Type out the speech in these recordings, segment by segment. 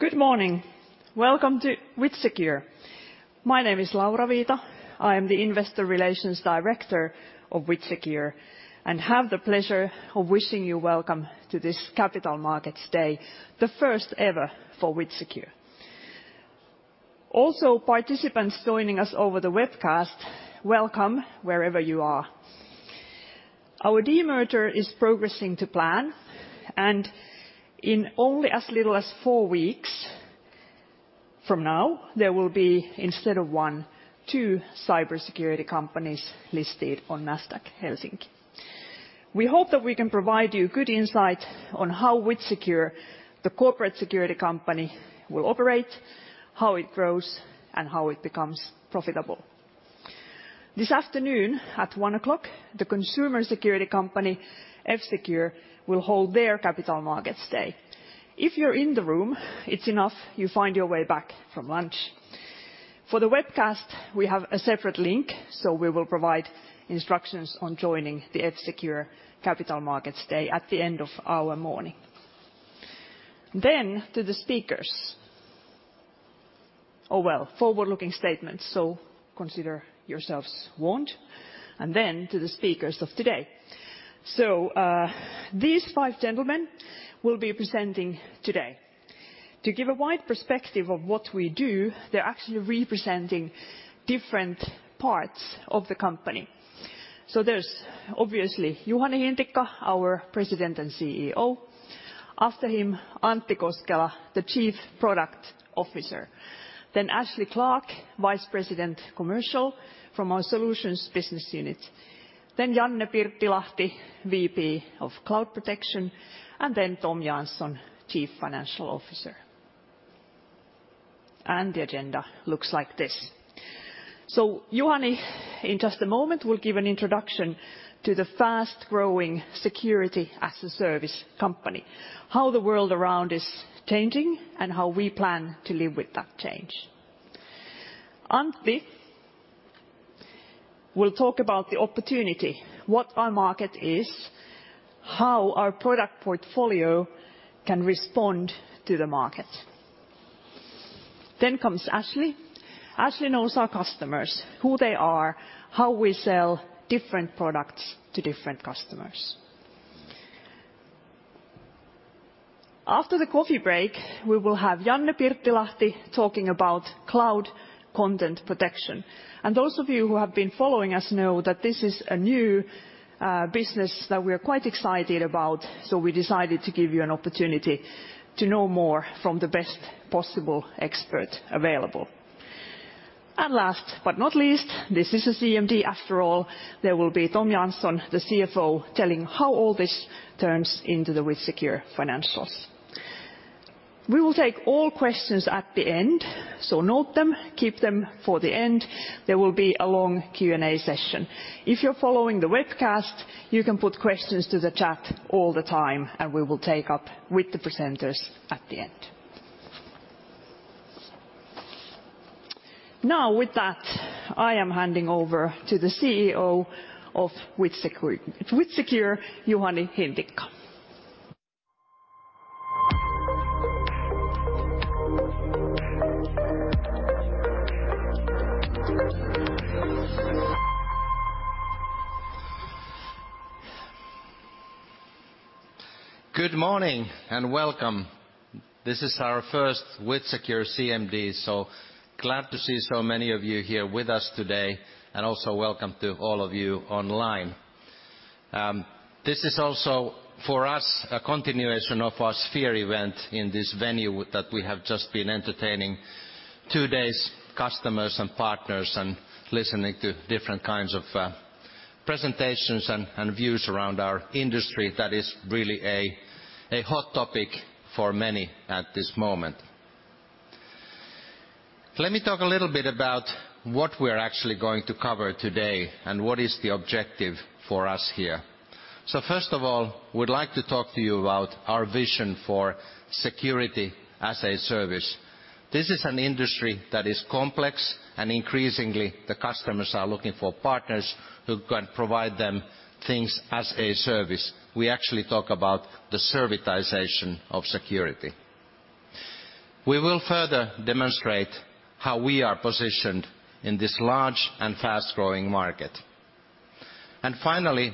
Good morning. Welcome to WithSecure. My name is Laura Viita. I am the Investor Relations Director of WithSecure, and have the pleasure of wishing you welcome to this capital markets day, the first ever for WithSecure. Participants joining us over the webcast, welcome wherever you are. Our demerger is progressing to plan, and in only as little as four weeks from now, there will be, instead of one, two cybersecurity companies listed on Nasdaq Helsinki. We hope that we can provide you good insight on how WithSecure, the corporate security company, will operate, how it grows, and how it becomes profitable. This afternoon, at 1:00 P.M., the consumer security company, F-Secure, will hold their capital markets day. If you're in the room, it's enough you find your way back from lunch. For the webcast, we have a separate link, so we will provide instructions on joining the WithSecure capital markets day at the end of our morning. To the speakers. Forward-looking statements, so consider yourselves warned, and then to the speakers of today. These five gentlemen will be presenting today. To give a wide perspective of what we do, they're actually representing different parts of the company. There's obviously Juhani Hintikka, our President and CEO. After him, Antti Koskela, the Chief Product Officer. Then Ashley Clark, Vice President Commercial from our Solutions Business Unit. Then Janne Pirttilahti, VP of Cloud Protection, and then Tom Jansson, Chief Financial Officer. The agenda looks like this. Juhani, in just a moment, will give an introduction to the fast-growing security-as-a-service company, how the world around is changing, and how we plan to live with that change. Antti will talk about the opportunity, what our market is, how our product portfolio can respond to the market. Comes Ashley. Ashley knows our customers, who they are, how we sell different products to different customers. After the coffee break, we will have Janne Pirttilahti talking about Cloud Protection. Those of you who have been following us know that this is a new business that we're quite excited about, so we decided to give you an opportunity to know more from the best possible expert available. Last but not least, this is a CMD after all, there will be Tom Jansson, the CFO, telling how all this turns into the WithSecure financials. We will take all questions at the end, so note them, keep them for the end. There will be a long Q&A session. If you're following the webcast, you can put questions to the chat all the time, and we will take up with the presenters at the end. Now, with that, I am handing over to the CEO of WithSecure, Juhani Hintikka. Good morning, and welcome. This is our first WithSecure CMD, so glad to see so many of you here with us today, and also welcome to all of you online. This is also for us, a continuation of our Sphere event in this venue that we have just been entertaining two days, customers and partners, and listening to different kinds of presentations and views around our industry that is really a hot topic for many at this moment. Let me talk a little bit about what we're actually going to cover today, and what is the objective for us here. First of all, we'd like to talk to you about our vision for security as a service. This is an industry that is complex, and increasingly the customers are looking for partners who can provide them things as a service. We actually talk about the servitization of security. We will further demonstrate how we are positioned in this large and fast-growing market. Finally,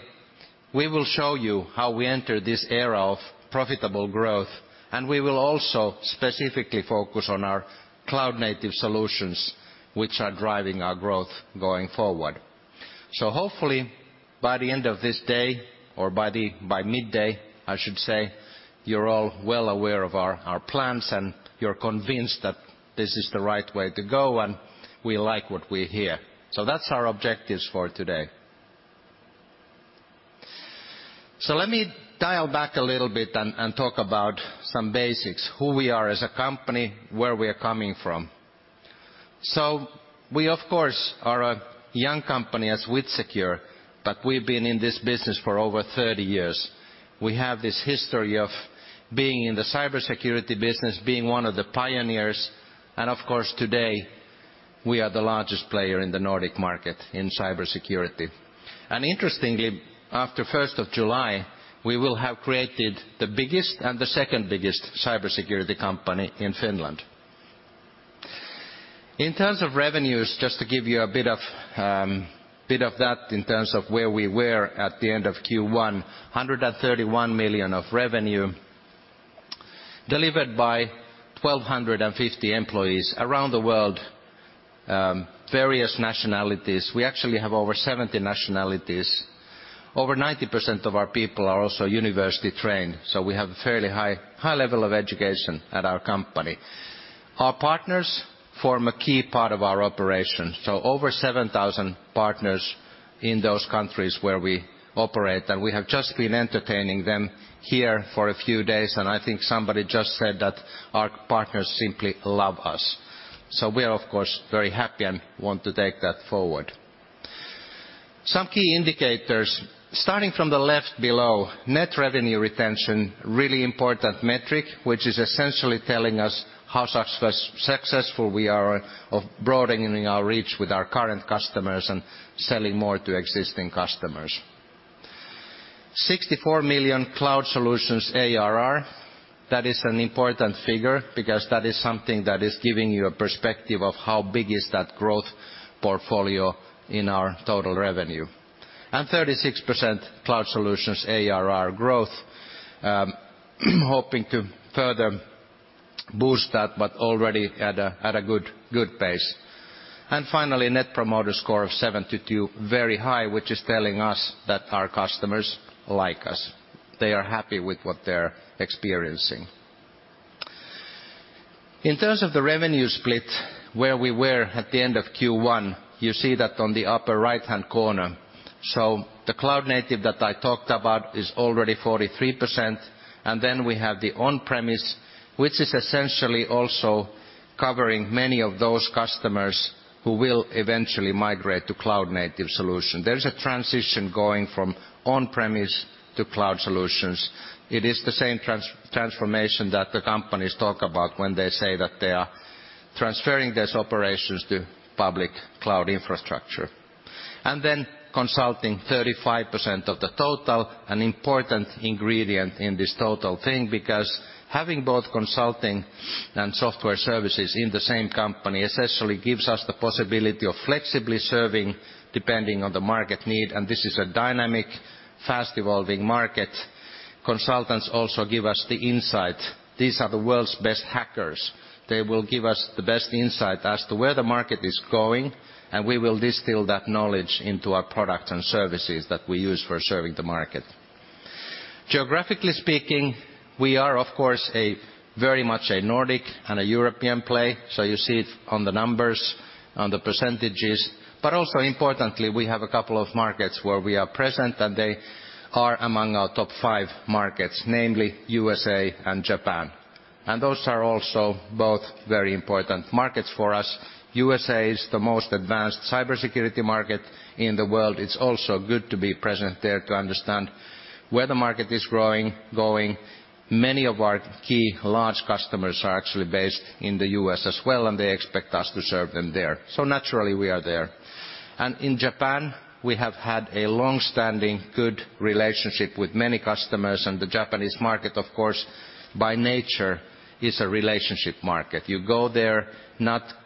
we will show you how we enter this era of profitable growth, and we will also specifically focus on our cloud-native solutions, which are driving our growth going forward. Hopefully by the end of this day, or by midday, I should say, you're all well aware of our plans, and you're convinced that this is the right way to go, and we like what we hear. That's our objectives for today. Let me dial back a little bit and talk about some basics, who we are as a company, where we are coming from. We of course are a young company as WithSecure, but we've been in this business for over 30 years. We have this history of being in the cybersecurity business, being one of the pioneers, and of course today. We are the largest player in the Nordic market in cybersecurity. Interestingly, after first of July, we will have created the biggest and the second biggest cybersecurity company in Finland. In terms of revenues, just to give you a bit of that in terms of where we were at the end of Q1, 131 million of revenue delivered by 1,250 employees around the world, various nationalities. We actually have over 70 nationalities. Over 90% of our people are also university-trained, so we have a fairly high level of education at our company. Our partners form a key part of our operation, so over 7,000 partners in those countries where we operate, and we have just been entertaining them here for a few days, and I think somebody just said that our partners simply love us. We are, of course, very happy and want to take that forward. Some key indicators. Starting from the left below, net revenue retention, really important metric, which is essentially telling us how successful we are of broadening our reach with our current customers and selling more to existing customers. 64 million cloud solutions ARR. That is an important figure because that is something that is giving you a perspective of how big is that growth portfolio in our total revenue. 36% cloud solutions ARR growth, hoping to further boost that but already at a good pace. Finally, Net Promoter Score of 72, very high, which is telling us that our customers like us. They are happy with what they're experiencing. In terms of the revenue split, where we were at the end of Q1, you see that on the upper right-hand corner. The cloud native that I talked about is already 43%, and then we have the on-premise, which is essentially also covering many of those customers who will eventually migrate to cloud native solution. There is a transition going from on-premise to cloud solutions. It is the same transformation that the companies talk about when they say that they are transferring these operations to public cloud infrastructure. Consulting 35% of the total, an important ingredient in this total thing, because having both consulting and software services in the same company essentially gives us the possibility of flexibly serving depending on the market need. This is a dynamic, fast-evolving market. Consultants also give us the insight. These are the world's best hackers. They will give us the best insight as to where the market is going, and we will distill that knowledge into our products and services that we use for serving the market. Geographically speaking, we are, of course, a very much a Nordic and a European play. You see it on the numbers, on the percentages. Also importantly, we have a couple of markets where we are present, and they are among our top five markets, namely USA and Japan. Those are also both very important markets for us. USA is the most advanced cybersecurity market in the world. It's also good to be present there to understand where the market is growing, going. Many of our key large customers are actually based in the U.S. as well, and they expect us to serve them there. Naturally, we are there. In Japan, we have had a long-standing good relationship with many customers, and the Japanese market, of course, by nature is a relationship market. You go there not quickly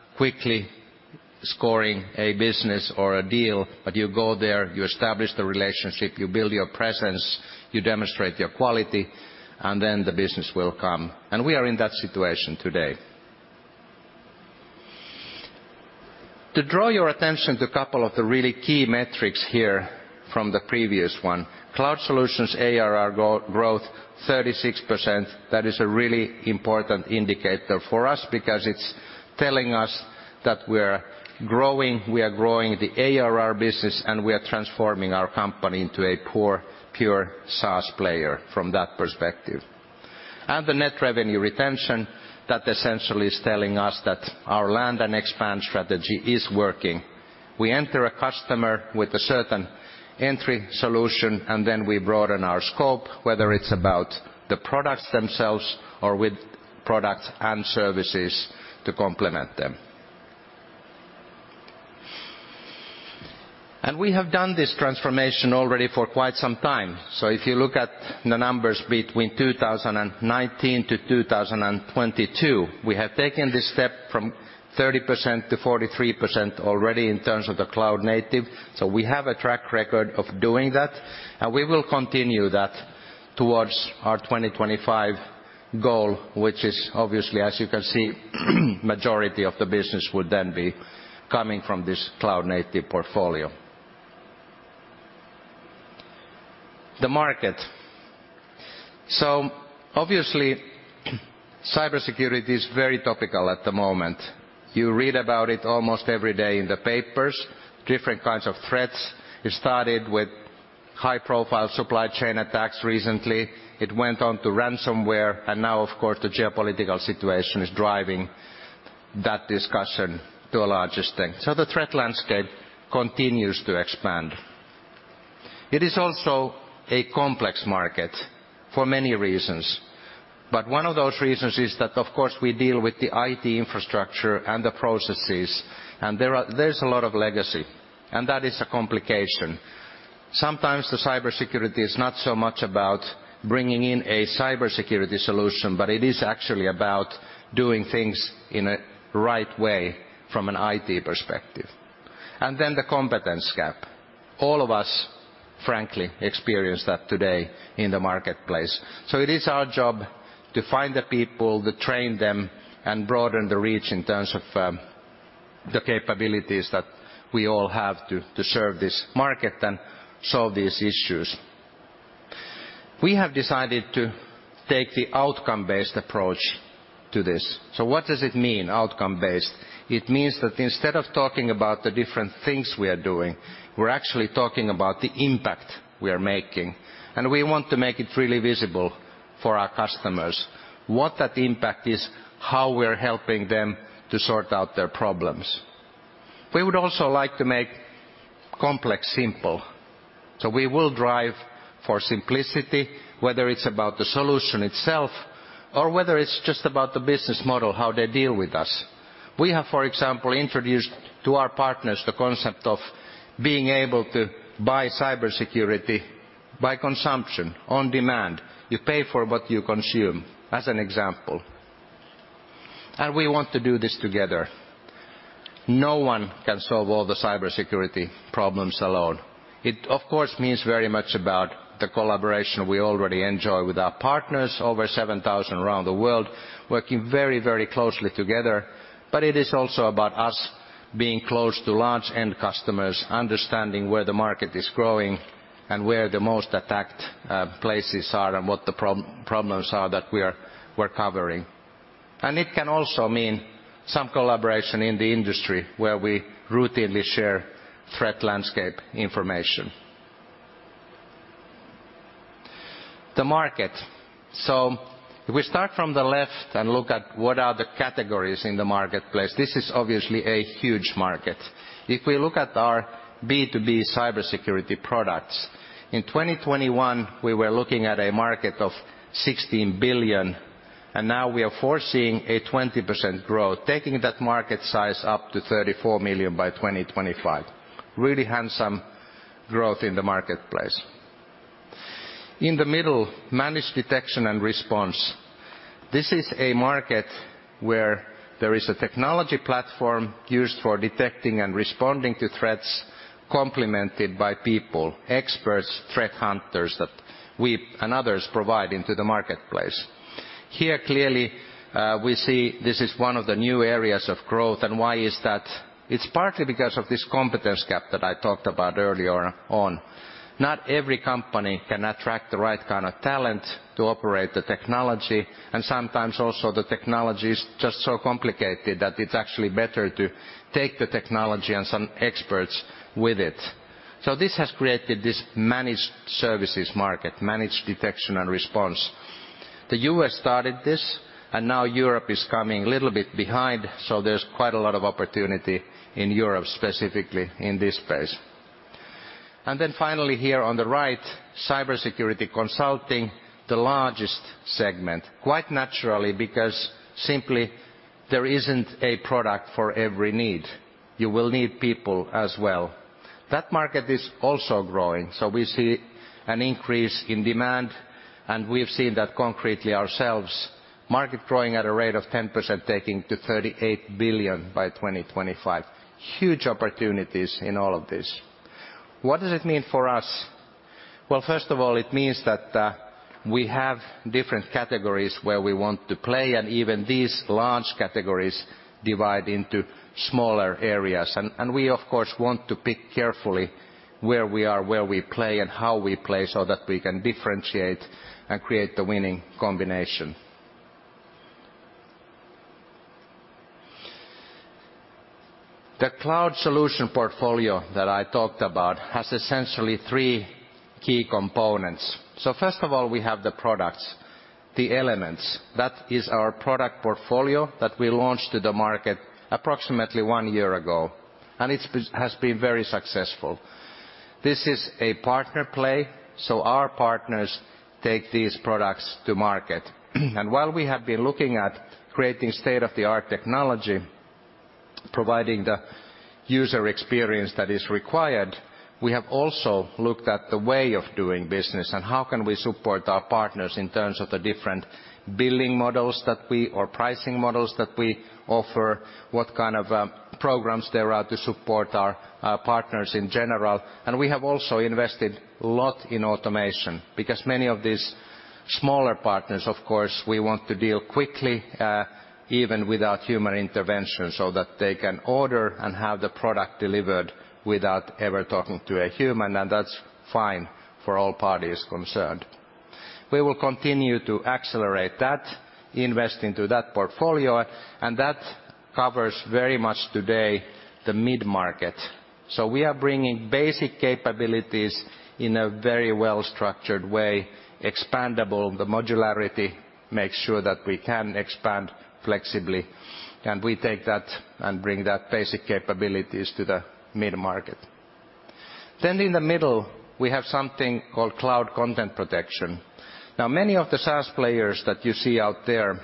scoring a business or a deal, but you go there, you establish the relationship, you build your presence, you demonstrate your quality, and then the business will come. We are in that situation today. To draw your attention to a couple of the really key metrics here from the previous one, cloud solutions ARR growth 36%, that is a really important indicator for us because it's telling us that we're growing, we are growing the ARR business, and we are transforming our company into a pure SaaS player from that perspective. The net revenue retention, that essentially is telling us that our land and expand strategy is working. We enter a customer with a certain entry solution, and then we broaden our scope, whether it's about the products themselves or with products and services to complement them. We have done this transformation already for quite some time. If you look at the numbers between 2019 and 2022, we have taken this step from 30% to 43% already in terms of the cloud native. We have a track record of doing that, and we will continue that towards our 2025 goal, which is obviously, as you can see, majority of the business would then be coming from this cloud native portfolio. The market. Obviously, cybersecurity is very topical at the moment. You read about it almost every day in the papers, different kinds of threats. It started with high-profile supply chain attacks recently. It went on to ransomware. Now, of course, the geopolitical situation is driving that discussion to a larger extent. The threat landscape continues to expand. It is also a complex market for many reasons, but one of those reasons is that, of course, we deal with the IT infrastructure and the processes, and there's a lot of legacy, and that is a complication. Sometimes the cybersecurity is not so much about bringing in a cybersecurity solution, but it is actually about doing things in a right way from an IT perspective. The competence gap. All of us, frankly, experience that today in the marketplace. It is our job to find the people, to train them, and broaden the reach in terms of the capabilities that we all have to serve this market and solve these issues. We have decided to take the outcome-based approach to this. What does it mean, outcome-based? It means that instead of talking about the different things we are doing, we're actually talking about the impact we are making, and we want to make it really visible for our customers, what that impact is, how we're helping them to sort out their problems. We would also like to make complex simple, so we will drive for simplicity, whether it's about the solution itself or whether it's just about the business model, how they deal with us. We have, for example, introduced to our partners the concept of being able to buy cybersecurity by consumption on demand. You pay for what you consume, as an example. We want to do this together. No one can solve all the cybersecurity problems alone. It, of course, means very much about the collaboration we already enjoy with our partners, over 7,000 around the world, working very, very closely together. It is also about us being close to large end customers, understanding where the market is growing and where the most attacked places are and what the problems are that we're covering. It can also mean some collaboration in the industry where we routinely share threat landscape information. The market. If we start from the left and look at what are the categories in the marketplace, this is obviously a huge market. If we look at our B2B cybersecurity products, in 2021 we were looking at a market of 16 billion, and now we are foreseeing a 20% growth, taking that market size up to 34 million by 2025. Really handsome growth in the marketplace. In the middle, managed detection and response. This is a market where there is a technology platform used for detecting and responding to threats complemented by people, experts, threat hunters that we and others provide into the marketplace. Here, clearly, we see this is one of the new areas of growth, and why is that? It's partly because of this competence gap that I talked about earlier on. Not every company can attract the right kind of talent to operate the technology, and sometimes also the technology is just so complicated that it's actually better to take the technology and some experts with it. This has created this managed services market, Managed Detection and Response. The U.S. started this, and now Europe is coming a little bit behind, so there's quite a lot of opportunity in Europe, specifically in this space. Then finally here on the right, cybersecurity consulting, the largest segment, quite naturally, because simply there isn't a product for every need. You will need people as well. That market is also growing, so we see an increase in demand, and we've seen that concretely ourselves. Market growing at a rate of 10%, taking to 38 billion by 2025. Huge opportunities in all of this. What does it mean for us? Well, first of all, it means that we have different categories where we want to play, and even these large categories divide into smaller areas. We of course want to pick carefully where we are, where we play, and how we play so that we can differentiate and create the winning combination. The cloud solution portfolio that I talked about has essentially three key components. First of all, we have the products, the Elements. That is our product portfolio that we launched to the market approximately one year ago, and it's been very successful. This is a partner play, so our partners take these products to market. While we have been looking at creating state-of-the-art technology, providing the user experience that is required, we have also looked at the way of doing business and how can we support our partners in terms of the different billing models that we, or pricing models that we offer, what kind of programs there are to support our partners in general. We have also invested a lot in automation because many of these smaller partners, of course, we want to deal quickly, even without human intervention, so that they can order and have the product delivered without ever talking to a human, and that's fine for all parties concerned. We will continue to accelerate that, invest into that portfolio, and that covers very much today the mid-market. We are bringing basic capabilities in a very well-structured way, expandable. The modularity makes sure that we can expand flexibly, and we take that and bring that basic capabilities to the mid-market. In the middle, we have something called Cloud Protection. Many of the SaaS players that you see out there,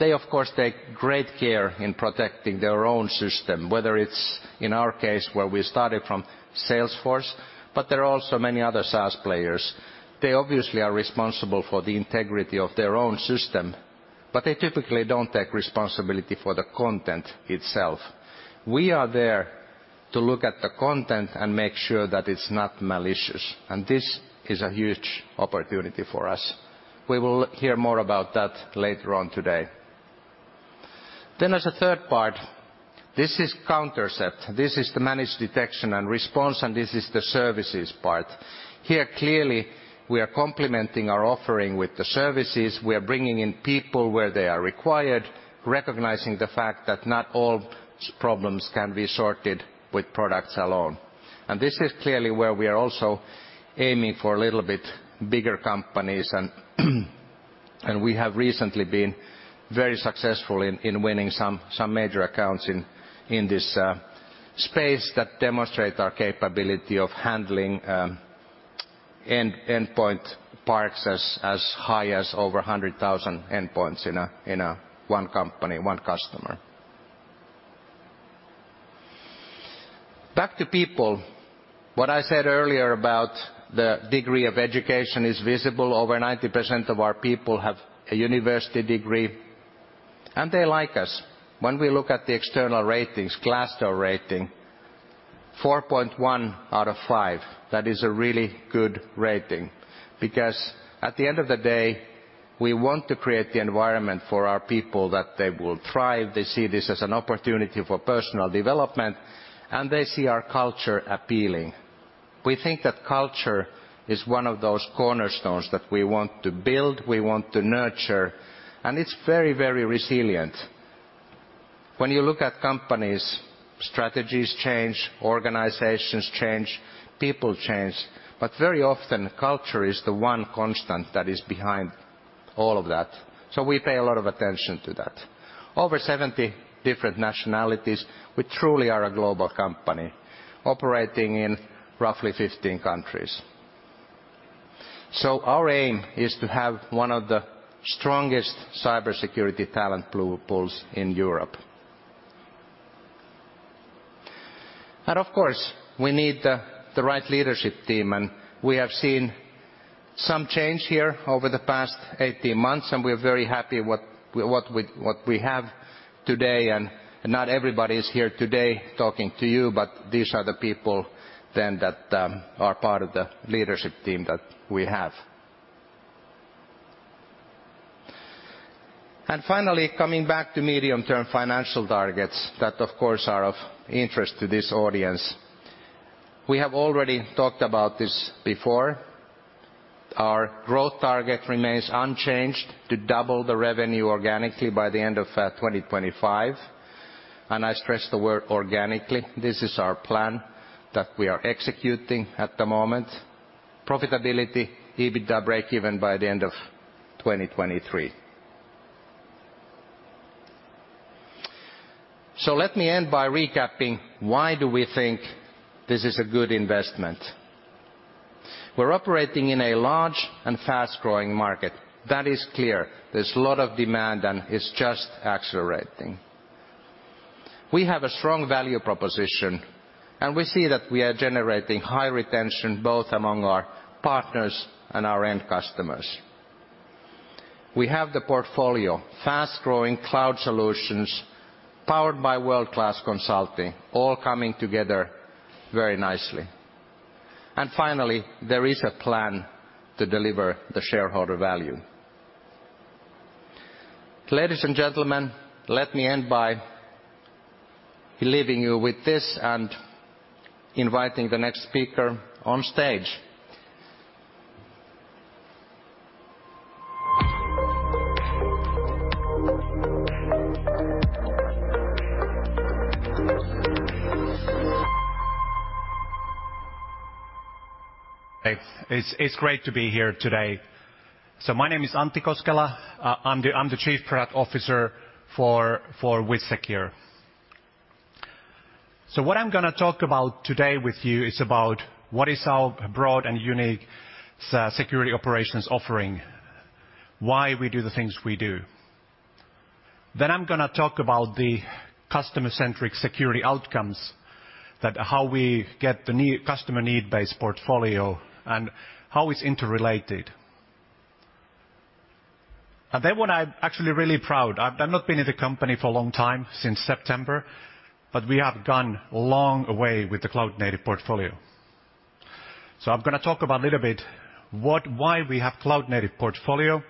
they of course take great care in protecting their own system, whether it's in our case where we started from Salesforce, but there are also many other SaaS players. They obviously are responsible for the integrity of their own system, but they typically don't take responsibility for the content itself. We are there to look at the content and make sure that it's not malicious, and this is a huge opportunity for us. We will hear more about that later on today. As a third part, this is Countercept. This is the managed detection and response, and this is the services part. Here, clearly, we are complementing our offering with the services. We are bringing in people where they are required, recognizing the fact that not all problems can be sorted with products alone. This is clearly where we are also aiming for a little bit bigger companies and we have recently been very successful in winning some major accounts in this space that demonstrate our capability of handling end-to-end endpoints as high as over 100,000 endpoints in one company, one customer. Back to people. What I said earlier about the degree of education is visible. Over 90% of our people have a university degree, and they like us. When we look at the external ratings, Glassdoor rating, 4.1 out of 5, that is a really good rating because at the end of the day, we want to create the environment for our people that they will thrive, they see this as an opportunity for personal development, and they see our culture appealing. We think that culture is one of those cornerstones that we want to build, we want to nurture, and it's very, very resilient. When you look at companies, strategies change, organizations change, people change, but very often, culture is the one constant that is behind all of that. We pay a lot of attention to that. Over 70 different nationalities, we truly are a global company operating in roughly 15 countries. Our aim is to have one of the strongest cybersecurity talent pools in Europe. Of course, we need the right leadership team, and we have seen some change here over the past 18 months, and we're very happy what we have today, and not everybody is here today talking to you, but these are the people then that are part of the leadership team that we have. Finally, coming back to medium-term financial targets that of course are of interest to this audience. We have already talked about this before. Our growth target remains unchanged to double the revenue organically by the end of 2025, and I stress the word organically. This is our plan that we are executing at the moment. Profitability, EBITDA break even by the end of 2023. Let me end by recapping why do we think this is a good investment. We're operating in a large and fast-growing market. That is clear. There's a lot of demand, and it's just accelerating. We have a strong value proposition, and we see that we are generating high retention, both among our partners and our end customers. We have the portfolio, fast-growing cloud solutions powered by world-class consulting, all coming together very nicely. Finally, there is a plan to deliver the shareholder value. Ladies and gentlemen, let me end by leaving you with this and inviting the next speaker on stage. It's great to be here today. My name is Antti Koskela. I'm the Chief Product Officer for WithSecure. What I'm gonna talk about today with you is about what is our broad and unique security operations offering, why we do the things we do. I'm gonna talk about the customer-centric security outcomes that how we get the customer need-based portfolio and how it's interrelated. What I'm actually really proud, I've not been in the company for a long time, since September, but we have gone a long way with the cloud-native portfolio. I'm gonna talk about a little bit why we have cloud-native portfolio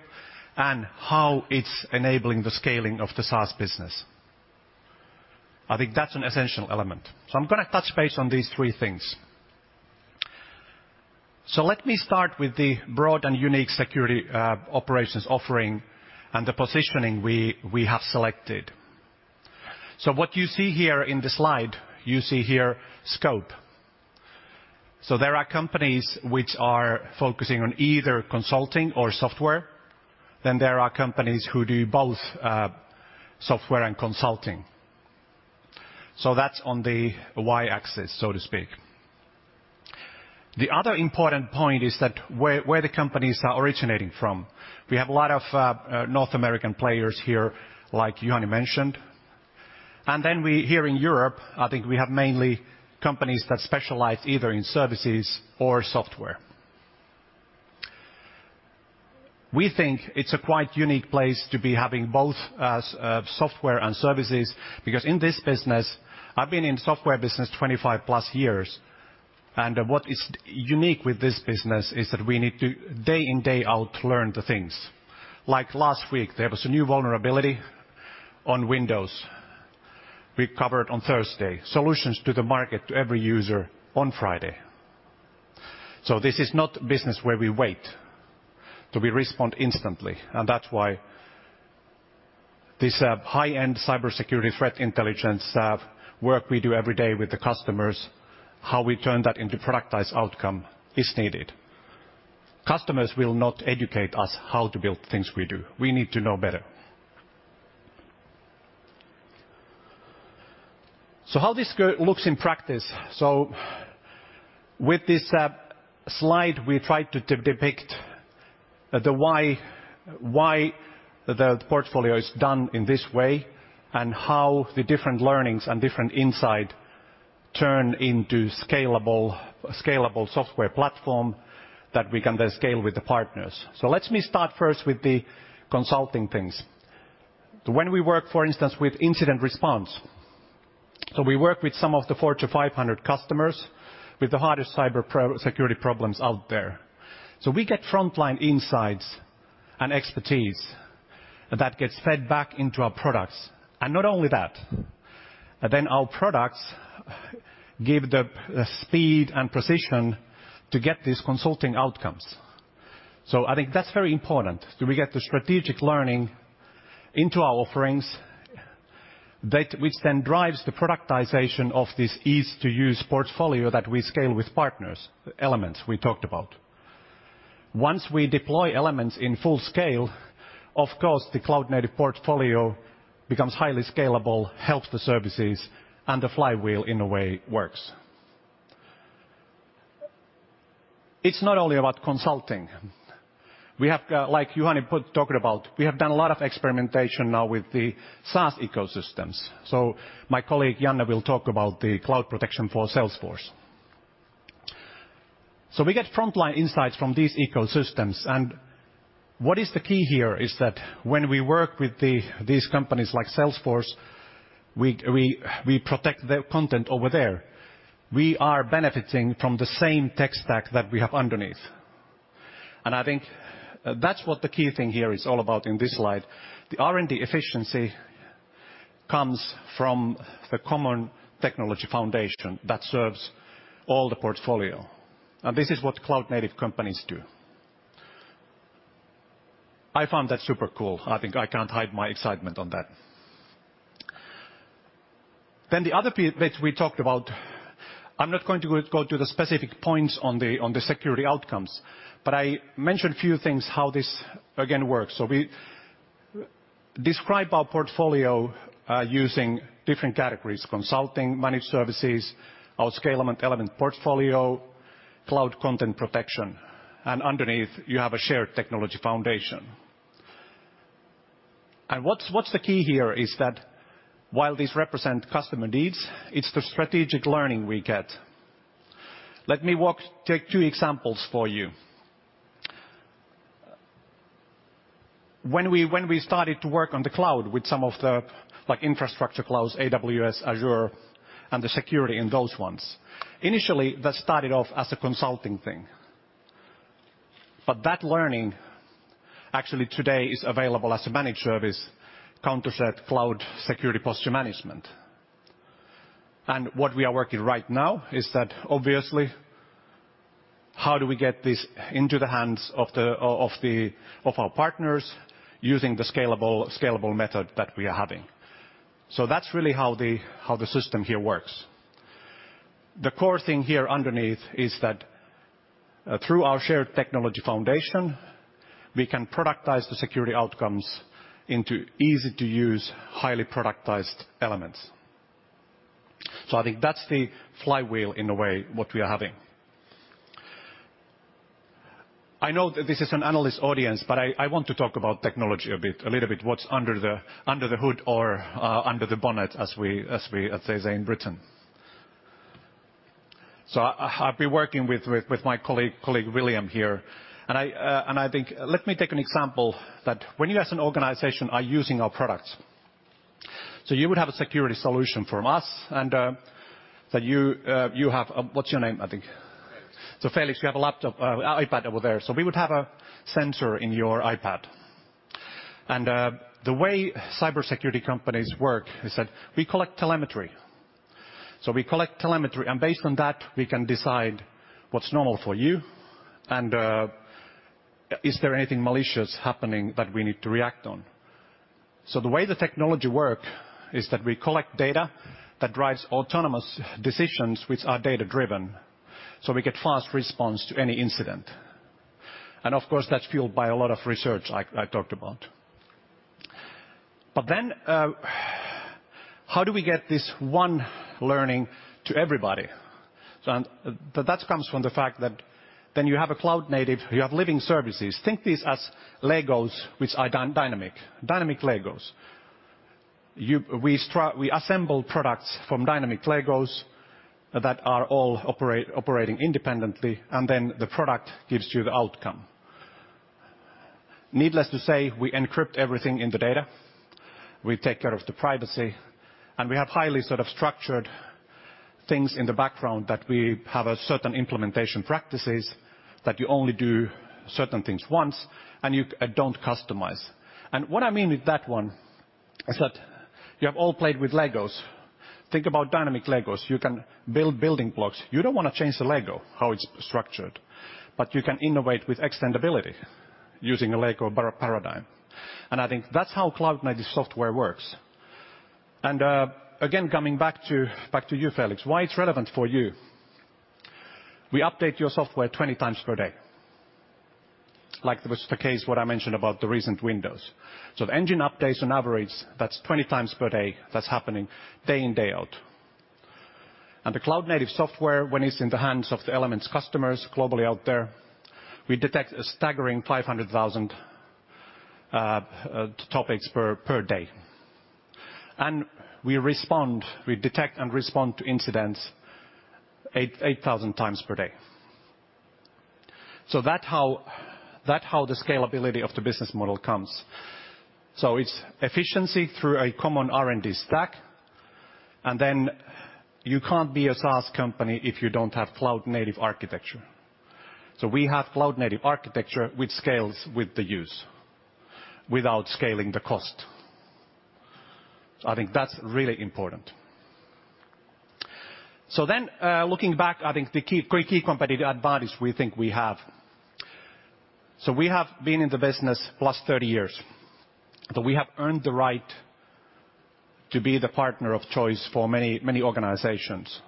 and how it's enabling the scaling of the SaaS business. I think that's an essential element. I'm gonna touch base on these three things. Let me start with the broad and unique security operations offering and the positioning we have selected. What you see here in the slide, you see here scope. There are companies which are focusing on either consulting or software. Then there are companies who do both, software and consulting. That's on the y-axis, so to speak. The other important point is that where the companies are originating from. We have a lot of North American players here, like Juhani mentioned, and then we here in Europe, I think we have mainly companies that specialize either in services or software. We think it's a quite unique place to be having both as software and services because in this business. I've been in software business 25+ years, and what is unique with this business is that we need to day in, day out, learn the things. Like last week, there was a new vulnerability on Windows. We covered on Thursday. Solutions to the market, to every user on Friday. This is not business where we wait, but we respond instantly, and that's why this, high-end cybersecurity threat intelligence, work we do every day with the customers, how we turn that into productized outcome is needed. Customers will not educate us how to build things we do. We need to know better. How this looks in practice? With this slide, we tried to depict the why the portfolio is done in this way and how the different learnings and different insight turn into scalable software platform that we can then scale with the partners. Let me start first with the consulting things. When we work, for instance, with incident response, we work with some of the 400-500 customers with the hardest cybersecurity problems out there. We get frontline insights and expertise that gets fed back into our products. Not only that, but then our products give the speed and precision to get these consulting outcomes. I think that's very important. We get the strategic learning into our offerings that which then drives the productization of this easy-to-use portfolio that we scale with partners, the Elements we talked about. Once we deploy Elements in full scale, of course, the cloud-native portfolio becomes highly scalable, helps the services, and the flywheel, in a way, works. It's not only about consulting. We have, like Juhani talked about, we have done a lot of experimentation now with the SaaS ecosystems. My colleague Janne will talk about the cloud protection for Salesforce. We get frontline insights from these ecosystems, and what is the key here is that when we work with these companies like Salesforce, we protect their content over there. We are benefiting from the same tech stack that we have underneath. I think that's what the key thing here is all about in this slide. The R&D efficiency comes from the common technology foundation that serves all the portfolio, and this is what cloud-native companies do. I find that super cool. I think I can't hide my excitement on that. The other piece we talked about, I'm not going to go to the specific points on the security outcomes, but I mentioned a few things how this again works. We describe our portfolio using different categories, consulting, managed services, our SaaS Elements portfolio, Cloud Protection, and underneath you have a shared technology foundation. What's the key here is that while these represent customer needs, it's the strategic learning we get. Let me take two examples for you. When we started to work on the cloud with some of the like infrastructure clouds, AWS, Azure, and the security in those ones, initially that started off as a consulting thing. That learning actually today is available as a managed service, Countercept Cloud Security Posture Management. What we are working right now is that obviously, how do we get this into the hands of our partners using the scalable method that we are having? That's really how the system here works. The core thing here underneath is that through our shared technology foundation, we can productize the security outcomes into easy-to-use, highly productized elements. I think that's the flywheel in a way, what we are having. I know that this is an analyst audience, but I want to talk about technology a bit, a little bit, what's under the hood or under the bonnet as they say in Britain. I've been working with my colleague William here, and I think, let me take an example that when you as an organization are using our products, so you would have a security solution from us, and that you have, what's your name, I think? Felix. Felix, you have a laptop, iPad over there. We would have a sensor in your iPad. The way cybersecurity companies work is that we collect telemetry. We collect telemetry, and based on that, we can decide what's normal for you and is there anything malicious happening that we need to react on? The way the technology work is that we collect data that drives autonomous decisions which are data-driven, so we get fast response to any incident. Of course, that's fueled by a lot of research I talked about. How do we get this one learning to everybody? That comes from the fact that then you have a cloud native, you have living services. Think these as Legos which are dynamic Legos. We assemble products from dynamic Legos that are all operating independently, and then the product gives you the outcome. Needless to say, we encrypt everything in the data, we take care of the privacy, and we have highly sort of structured things in the background that we have a certain implementation practices, that you only do certain things once, and you don't customize. What I mean with that one is that you have all played with Legos. Think about dynamic Legos. You don't wanna change the Lego, how it's structured, but you can innovate with extendability using a Lego paradigm, and I think that's how cloud-native software works. Again, coming back to you, Felix. Why it's relevant for you? We update your software 20 times per day, like was the case what I mentioned about the recent Windows. The engine updates on average, that's 20 times per day that's happening day in, day out. The cloud-native software, when it's in the hands of the Elements customers globally out there, we detect a staggering 500,000 topics per day. We respond, we detect and respond to incidents 8,000 times per day. That's how the scalability of the business model comes. It's efficiency through a common R&D stack, and then you can't be a SaaS company if you don't have cloud-native architecture. We have cloud-native architecture which scales with the use without scaling the cost. I think that's really important. Looking back, I think the key competitive advantage we think we have. We have been in the business plus 30 years, but we have earned the right to be the partner of choice for many, many organizations.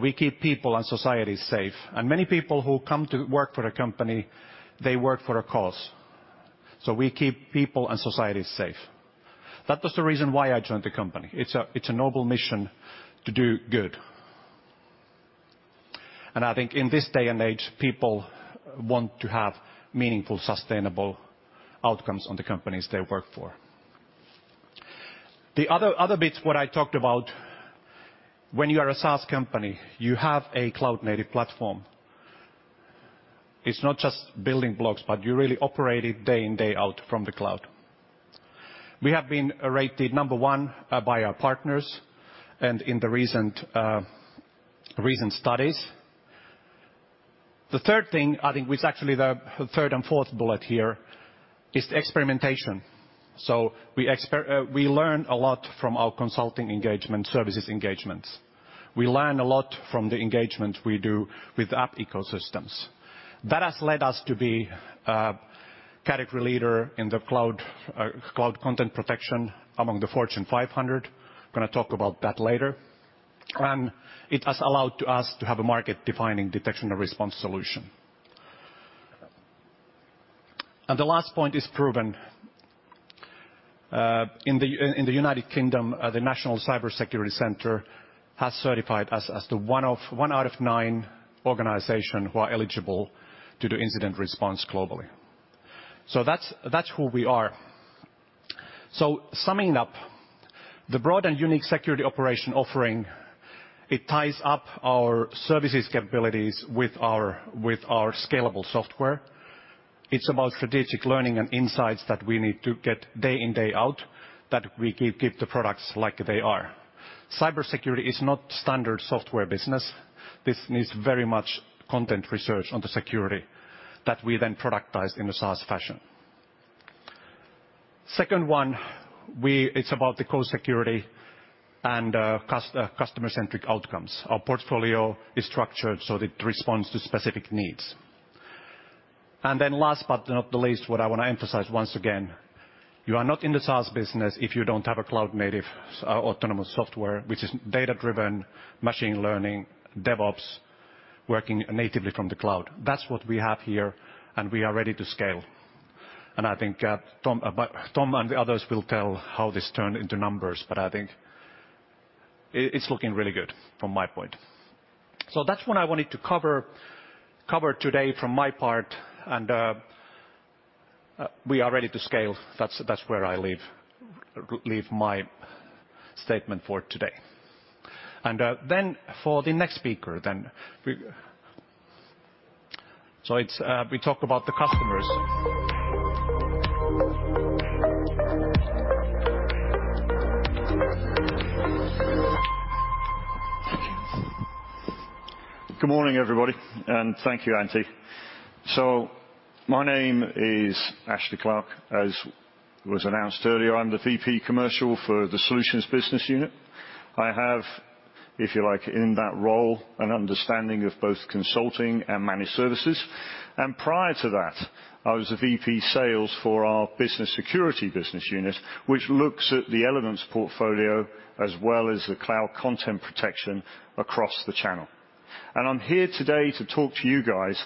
We keep people and society safe. Many people who come to work for a company, they work for a cause. We keep people and society safe. That was the reason why I joined the company. It's a noble mission to do good. I think in this day and age, people want to have meaningful, sustainable outcomes on the companies they work for. The other bits what I talked about, when you are a SaaS company, you have a cloud-native platform. It's not just building blocks, but you really operate it day in, day out from the cloud. We have been rated number one by our partners and in the recent studies. The third thing, I think, which is actually the third and fourth bullet here, is the experimentation. We learn a lot from our consulting engagement, services engagements. We learn a lot from the engagement we do with app ecosystems. That has led us to be a category leader in the cloud content protection among the Fortune 500. Gonna talk about that later. It has allowed to us to have a market-defining detection and response solution. The last point is proven in the United Kingdom, the National Cyber Security Centre has certified us as one out of nine organization who are eligible to do incident response globally. That's who we are. Summing up, the broad and unique security operation offering, it ties up our services capabilities with our scalable software. It's about strategic learning and insights that we need to get day in, day out, that we keep the products like they are. Cybersecurity is not standard software business. This needs very much content research on the security that we then productize in a SaaS fashion. Second one, It's about the co-security and customer-centric outcomes. Our portfolio is structured so that it responds to specific needs. Last but not the least, what I wanna emphasize once again, you are not in the SaaS business if you don't have a cloud-native, autonomous software, which is data-driven machine learning DevOps working natively from the cloud. That's what we have here, and we are ready to scale. I think, Tom and the others will tell how this turned into numbers, but I think it's looking really good from my point. That's what I wanted to cover today from my part. We are ready to scale. That's where I leave my statement for today. Then for the next speaker, we're. It's we talk about the customers. Good morning, everybody, and thank you, Antti. My name is Ashley Clark. As was announced earlier, I'm the VP Commercial for the Solutions business unit. I have, if you like, in that role, an understanding of both consulting and managed services. Prior to that, I was a VP Sales for our Business Security Business Unit, which looks at the Elements portfolio as well as the Cloud Protection across the channel. I'm here today to talk to you guys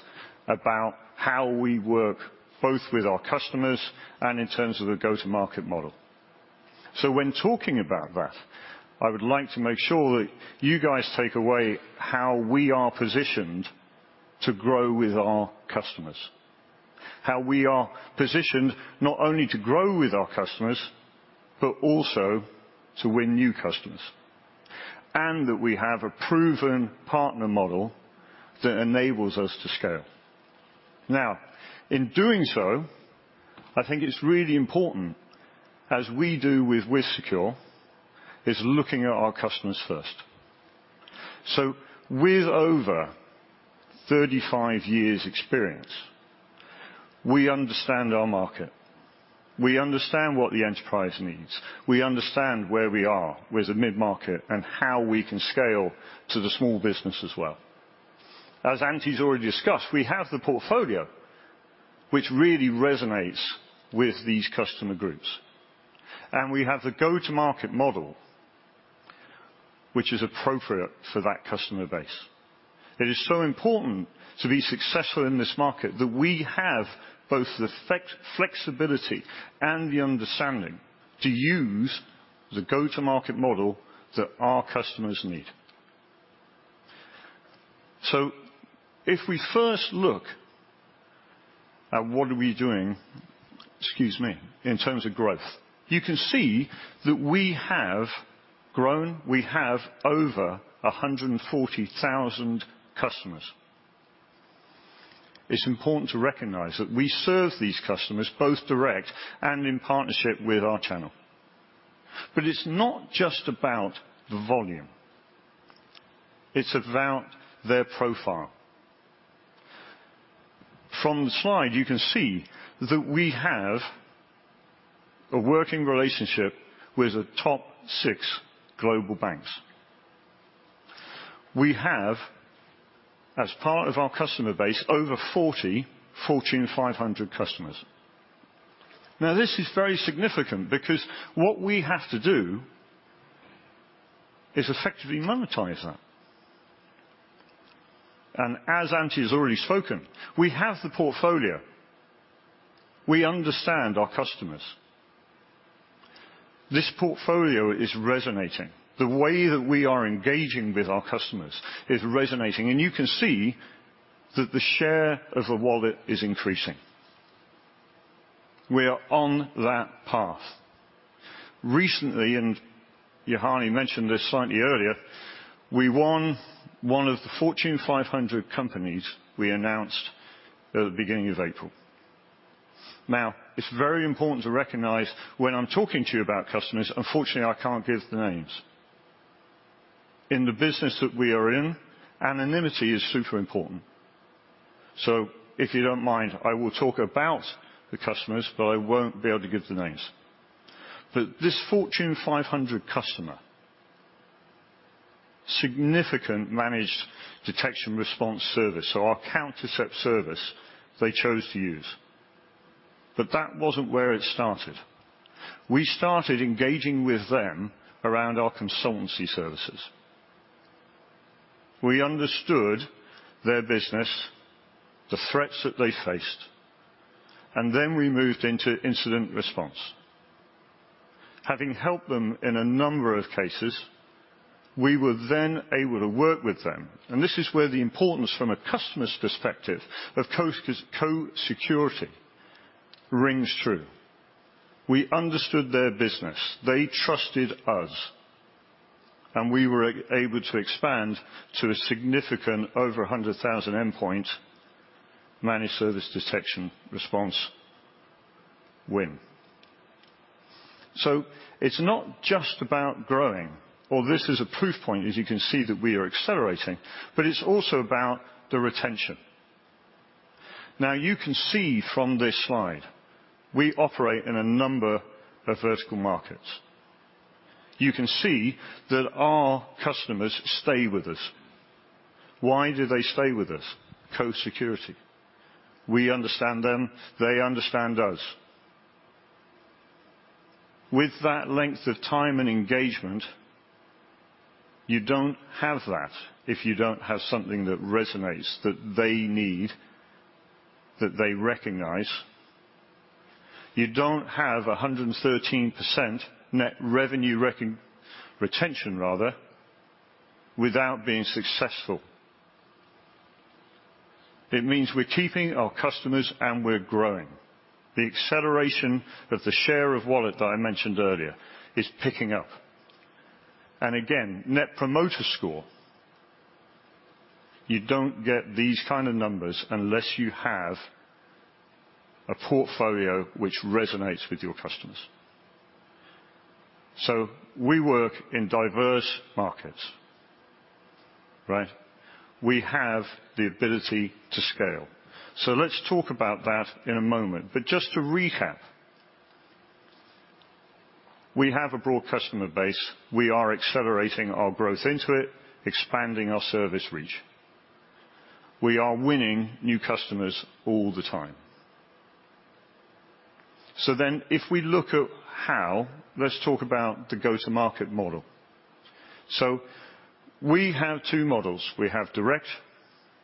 about how we work, both with our customers and in terms of the go-to-market model. When talking about that, I would like to make sure that you guys take away how we are positioned to grow with our customers. How we are positioned not only to grow with our customers, but also to win new customers, and that we have a proven partner model that enables us to scale. Now, in doing so, I think it's really important, as we do with WithSecure, is looking at our customers first. With over 35 years experience, we understand our market. We understand what the enterprise needs. We understand where we are with the mid-market, and how we can scale to the small business as well. As Antti's already discussed, we have the portfolio which really resonates with these customer groups, and we have the go-to-market model which is appropriate for that customer base. It is so important to be successful in this market that we have both the flexibility and the understanding to use the go-to-market model that our customers need. If we first look at what are we doing, excuse me, in terms of growth, you can see that we have grown. We have over 140,000 customers. It's important to recognize that we serve these customers both direct and in partnership with our channel. It's not just about volume, it's about their profile. From the slide, you can see that we have a working relationship with the top six global banks. We have, as part of our customer base, over 40 Fortune 500 customers. Now, this is very significant because what we have to do is effectively monetize that. As Antti has already spoken, we have the portfolio. We understand our customers. This portfolio is resonating. The way that we are engaging with our customers is resonating, and you can see that the share of the wallet is increasing. We are on that path. Recently, Juhani mentioned this slightly earlier, we won one of the Fortune 500 companies we announced at the beginning of April. Now, it's very important to recognize when I'm talking to you about customers, unfortunately, I can't give the names. In the business that we are in, anonymity is super important. If you don't mind, I will talk about the customers, but I won't be able to give the names. This Fortune 500 customer, significant managed detection and response service, so our Countercept service they chose to use. That wasn't where it started. We started engaging with them around our consultancy services. We understood their business, the threats that they faced, and then we moved into incident response. Having helped them in a number of cases, we were then able to work with them. This is where the importance from a customer's perspective of co-security rings true. We understood their business, they trusted us, and we were able to expand to a significant over 100,000 endpoint managed detection and response win. It's not just about growing, or this is a proof point as you can see that we are accelerating, but it's also about the retention. Now you can see from this slide, we operate in a number of vertical markets. You can see that our customers stay with us. Why do they stay with us? Co-security. We understand them. They understand us. With that length of time and engagement, you don't have that if you don't have something that resonates that they need, that they recognize. You don't have 113% net revenue retention rather, without being successful. It means we're keeping our customers and we're growing. The acceleration of the share of wallet that I mentioned earlier is picking up. Again, Net Promoter Score, you don't get these kind of numbers unless you have a portfolio which resonates with your customers. We work in diverse markets. Right? We have the ability to scale. Let's talk about that in a moment, but just to recap. We have a broad customer base. We are accelerating our growth into it, expanding our service reach. We are winning new customers all the time. If we look at how, let's talk about the go-to-market model. We have two models. We have direct,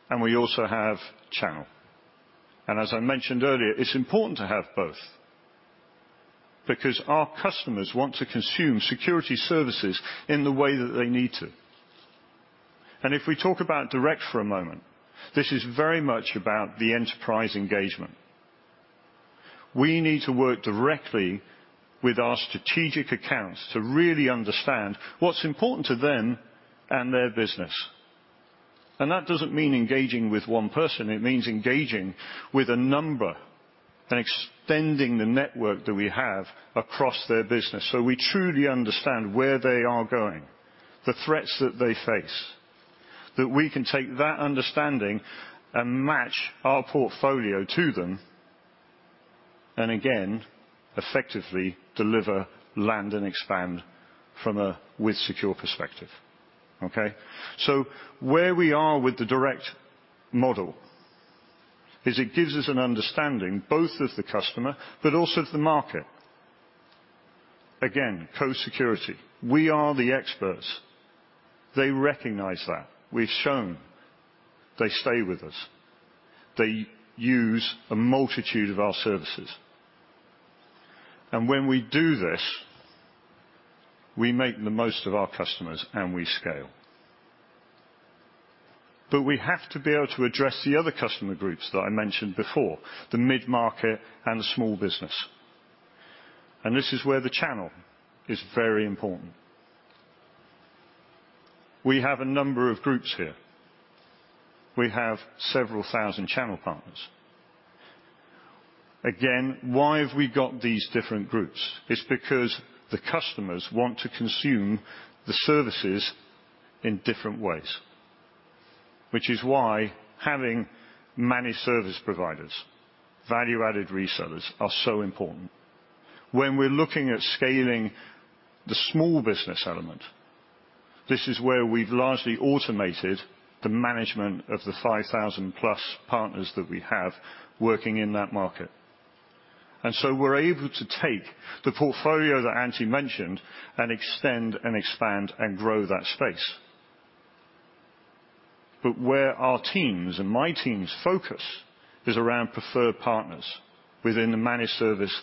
and we also have channel. As I mentioned earlier, it's important to have both because our customers want to consume security services in the way that they need to. If we talk about direct for a moment, this is very much about the enterprise engagement. We need to work directly with our strategic accounts to really understand what's important to them and their business. That doesn't mean engaging with one person, it means engaging with a number and extending the network that we have across their business, so we truly understand where they are going, the threats that they face, that we can take that understanding and match our portfolio to them, and again, effectively deliver, land, and expand from a WithSecure perspective. Okay. Where we are with the direct model is it gives us an understanding, both of the customer, but also of the market. Again, co-security. We are the experts. They recognize that. We've shown. They stay with us. They use a multitude of our services. When we do this, we make the most of our customers, and we scale. We have to be able to address the other customer groups that I mentioned before, the mid-market and the small business. This is where the channel is very important. We have a number of groups here. We have several thousand channel partners. Again, why have we got these different groups? It's because the customers want to consume the services in different ways. Which is why having managed service providers, value-added resellers, are so important. When we're looking at scaling the small business element, this is where we've largely automated the management of the 5,000+ partners that we have working in that market. We're able to take the portfolio that Antti mentioned and extend and expand and grow that space. Where our team's, and my team's, focus is around preferred partners within the managed service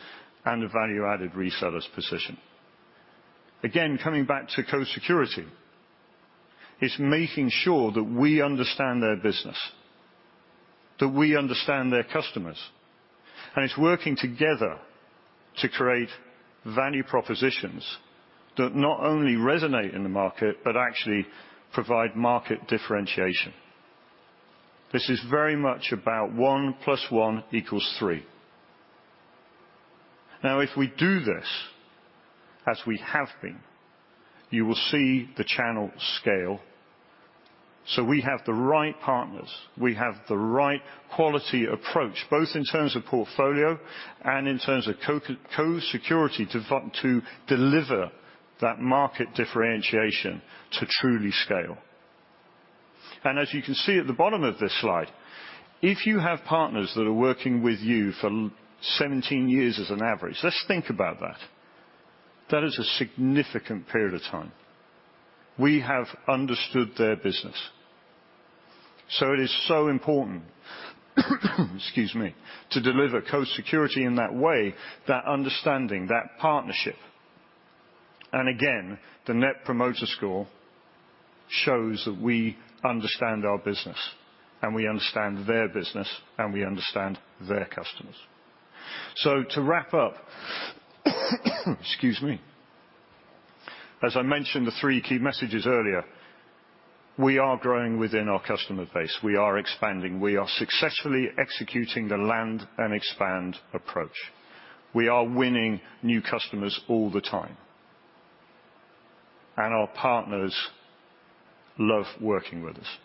and the value-added resellers position. Again, coming back to co-security, it's making sure that we understand their business, that we understand their customers, and it's working together to create value propositions that not only resonate in the market, but actually provide market differentiation. This is very much about one plus one equals three. Now, if we do this, as we have been, you will see the channel scale. We have the right partners. We have the right quality approach, both in terms of portfolio and in terms of co-security to deliver that market differentiation to truly scale. As you can see at the bottom of this slide, if you have partners that are working with you for 17 years as an average, let's think about that. That is a significant period of time. We have understood their business. It is so important, excuse me, to deliver co-security in that way, that understanding, that partnership. Again, the Net Promoter Score shows that we understand our business, and we understand their business, and we understand their customers. To wrap up, excuse me. As I mentioned the three key messages earlier, we are growing within our customer base. We are expanding. We are successfully executing the land and expand approach. We are winning new customers all the time. Our partners love working with us.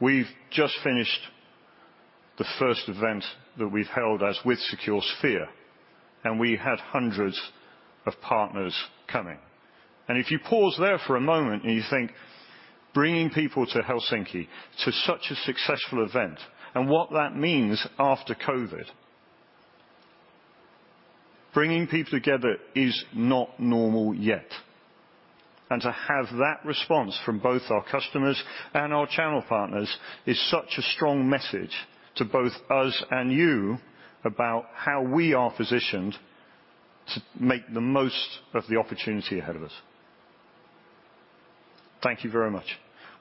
We've just finished the first event that we've held as WithSecure Sphere, and we had hundreds of partners coming. If you pause there for a moment and you think, bringing people to Helsinki, to such a successful event, and what that means after COVID. Bringing people together is not normal yet. To have that response from both our customers and our channel partners is such a strong message to both us and you about how we are positioned to make the most of the opportunity ahead of us. Thank you very much.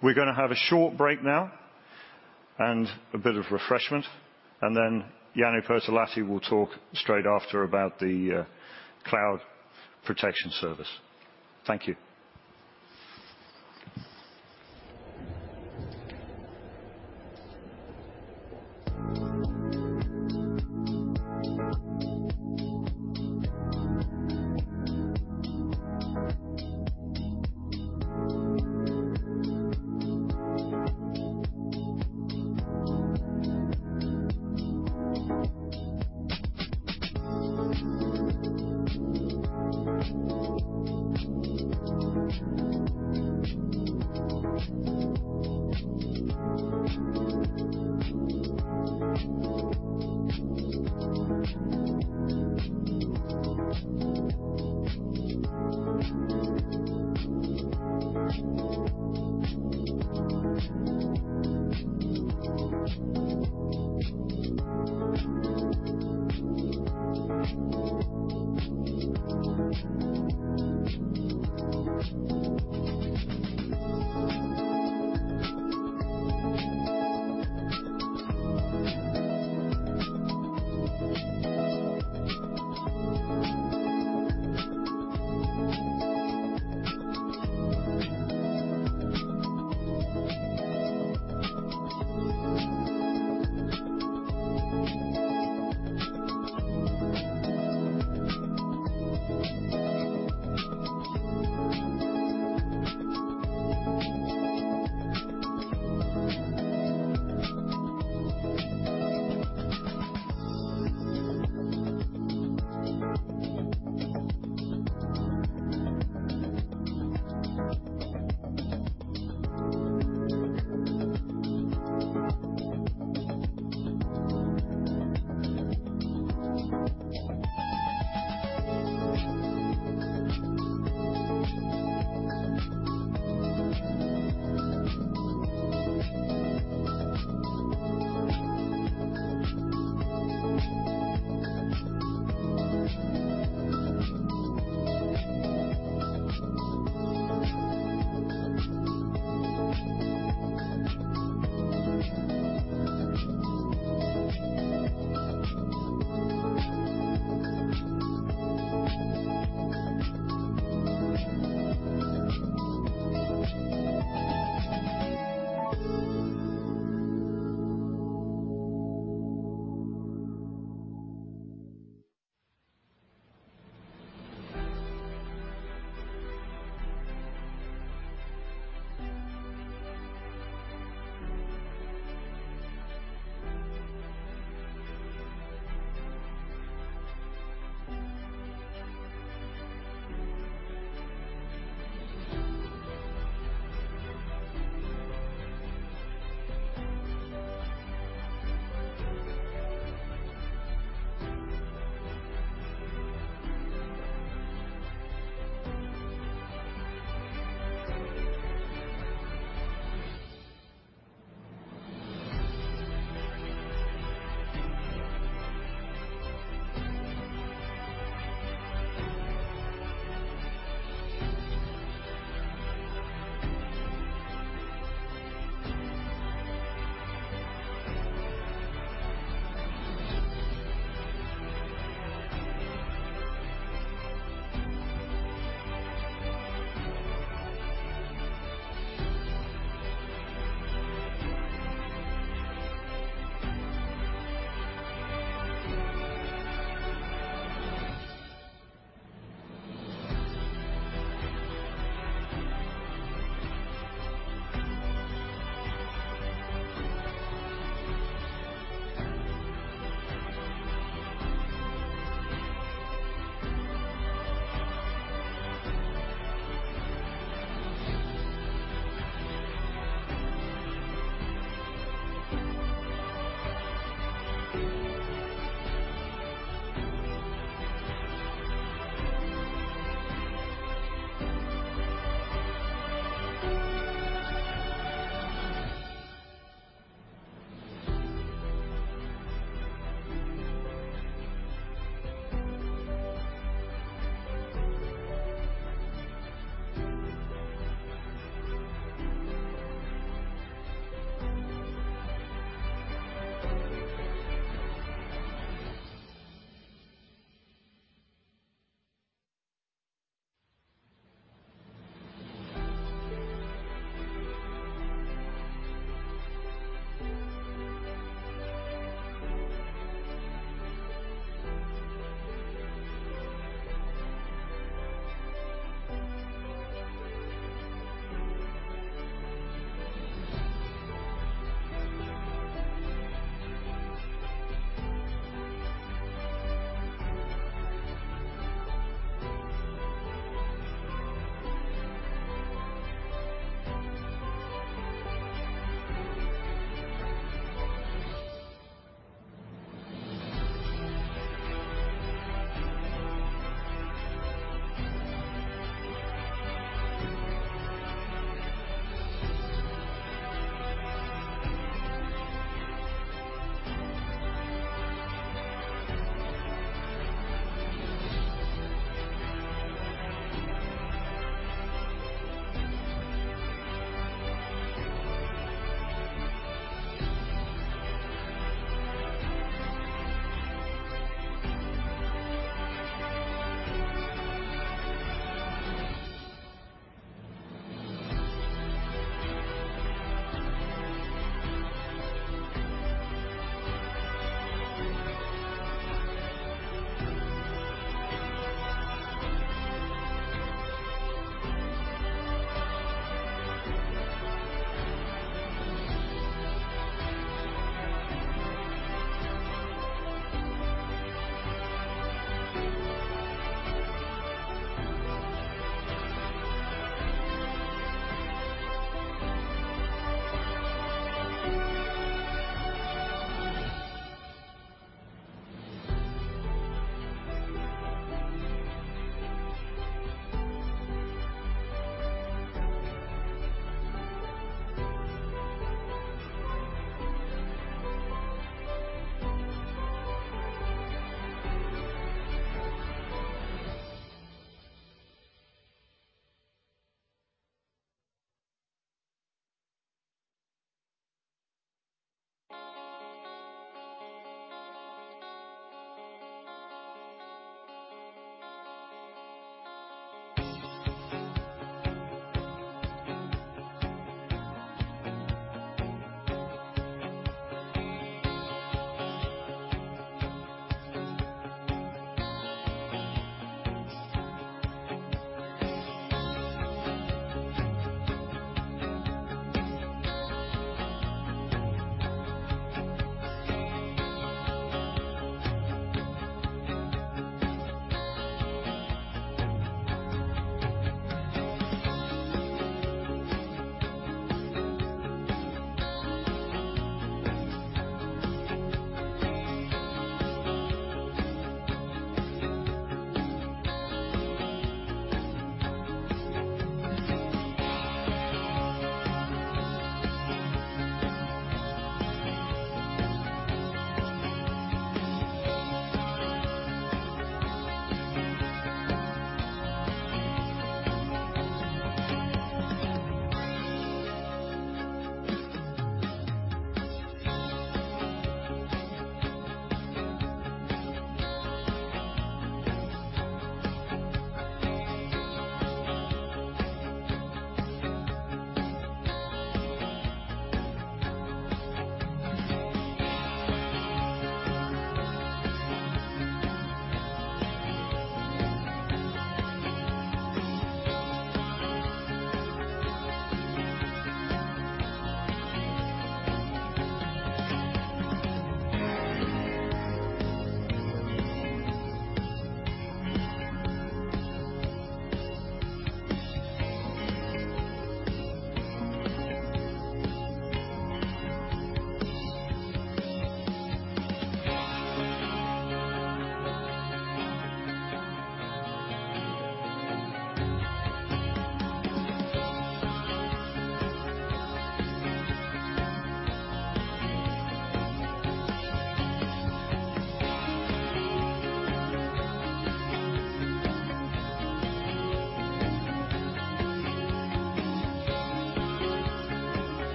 We're gonna have a short break now, and a bit of refreshment, and then Janne Pirttilahti will talk straight after about the Cloud Protection service. Thank you.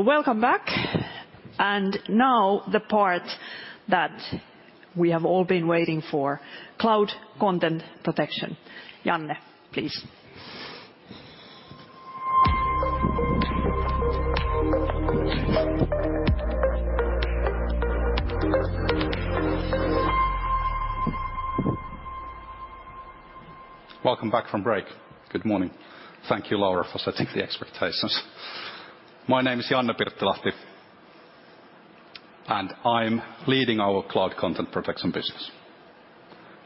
Welcome back. Now the part that we have all been waiting for, Cloud Protection. Janne, please. Welcome back from break. Good morning. Thank you, Laura, for setting the expectations. My name is Janne Pirttilahti, and I'm leading our Cloud Protection business.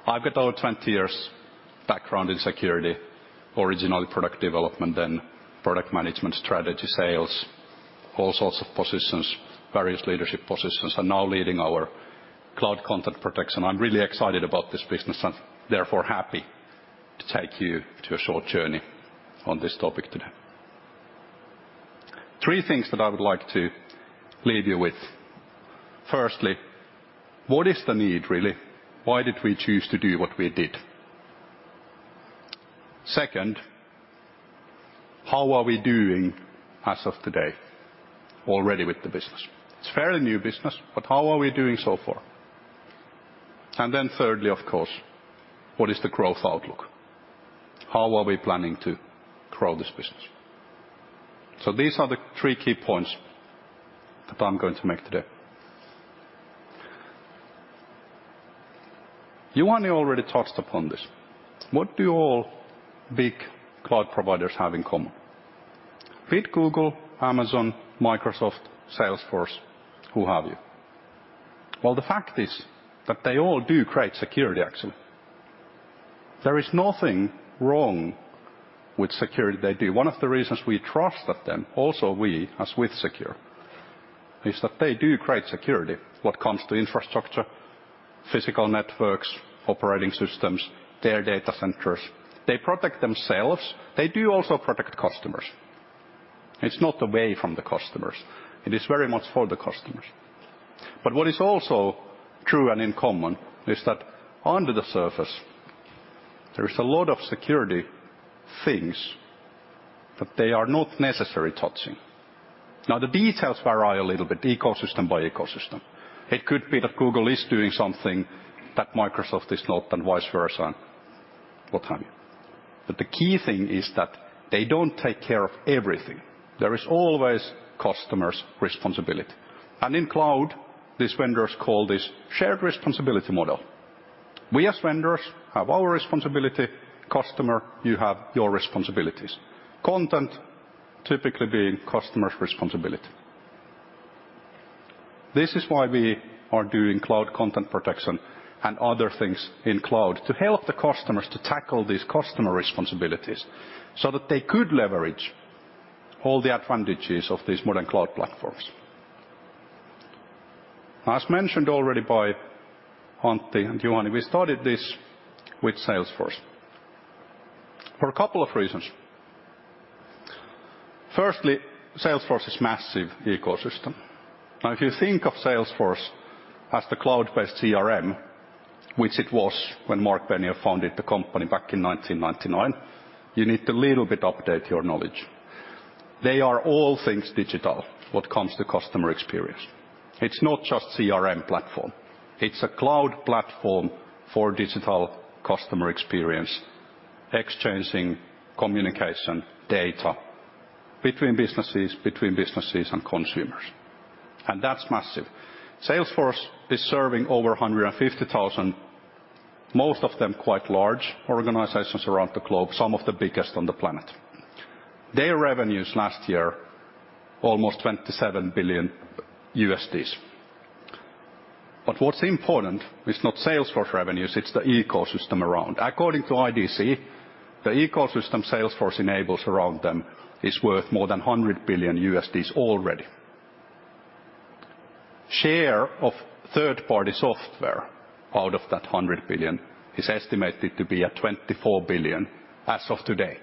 I've got over 20 years background in security, originally product development, then product management, strategy, sales, all sorts of positions, various leadership positions, and now leading our Cloud Protection. I'm really excited about this business and therefore happy to take you to a short journey on this topic today. Three things that I would like to leave you with. Firstly, what is the need, really? Why did we choose to do what we did? Second, how are we doing as of today already with the business? It's fairly new business, but how are we doing so far? Thirdly, of course, what is the growth outlook? How are we planning to grow this business? These are the three key points that I'm going to make today. Juhani already touched upon this. What do all big cloud providers have in common? Be it Google, Amazon, Microsoft, Salesforce, who have you. Well, the fact is that they all do great security, actually. There is nothing wrong with security they do. One of the reasons we trust that them, also we as WithSecure, is that they do great security when it comes to infrastructure, physical networks, operating systems, their data centers. They protect themselves. They do also protect customers. It's not away from the customers, it is very much for the customers. But what is also true and in common is that under the surface, there is a lot of security things that they are not necessarily touching. Now, the details vary a little bit ecosystem by ecosystem. It could be that Google is doing something that Microsoft is not and vice versa, what have you. The key thing is that they don't take care of everything. There is always customers' responsibility. In cloud, these vendors call this shared responsibility model. We as vendors have our responsibility, customer, you have your responsibilities. Content typically being customers' responsibility. This is why we are doing cloud content protection and other things in cloud to help the customers to tackle these customer responsibilities so that they could leverage all the advantages of these modern cloud platforms. As mentioned already by Antti and Juhani, we started this with Salesforce for a couple of reasons. Firstly, Salesforce is massive ecosystem. Now, if you think of Salesforce as the cloud-based CRM, which it was when Marc Benioff founded the company back in 1999, you need to a little bit update your knowledge. They are all things digital when it comes to customer experience. It's not just CRM platform. It's a cloud platform for digital customer experience, exchanging communication data between businesses, between businesses and consumers. That's massive. Salesforce is serving over 150,000, most of them quite large organizations around the globe, some of the biggest on the planet. Their revenues last year, almost $27 billion. What's important is not Salesforce revenues, it's the ecosystem around. According to IDC, the ecosystem Salesforce enables around them is worth more than $100 billion already. Share of third-party software out of that $100 billion is estimated to be at $24 billion as of today,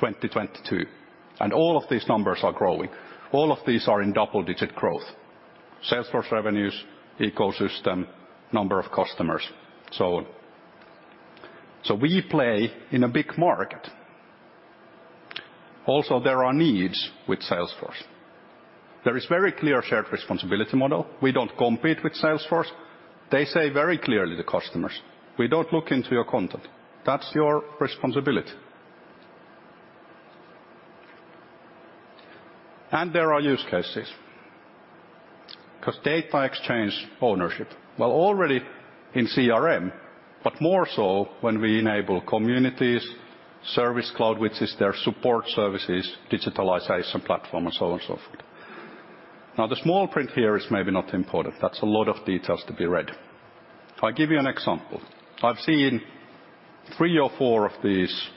2022, and all of these numbers are growing. All of these are in double-digit growth. Salesforce revenues, ecosystem, number of customers, so on. We play in a big market. Also, there are needs with Salesforce. There is very clear shared responsibility model. We don't compete with Salesforce. They say very clearly to customers, "We don't look into your content. That's your responsibility." There are use cases because data exchange ownership, while already in CRM, but more so when we enable communities, Service Cloud, which is their support services, digitalization platform, and so on and so forth. Now, the small print here is maybe not important. That's a lot of details to be read. I give you an example. I've seen three or four of these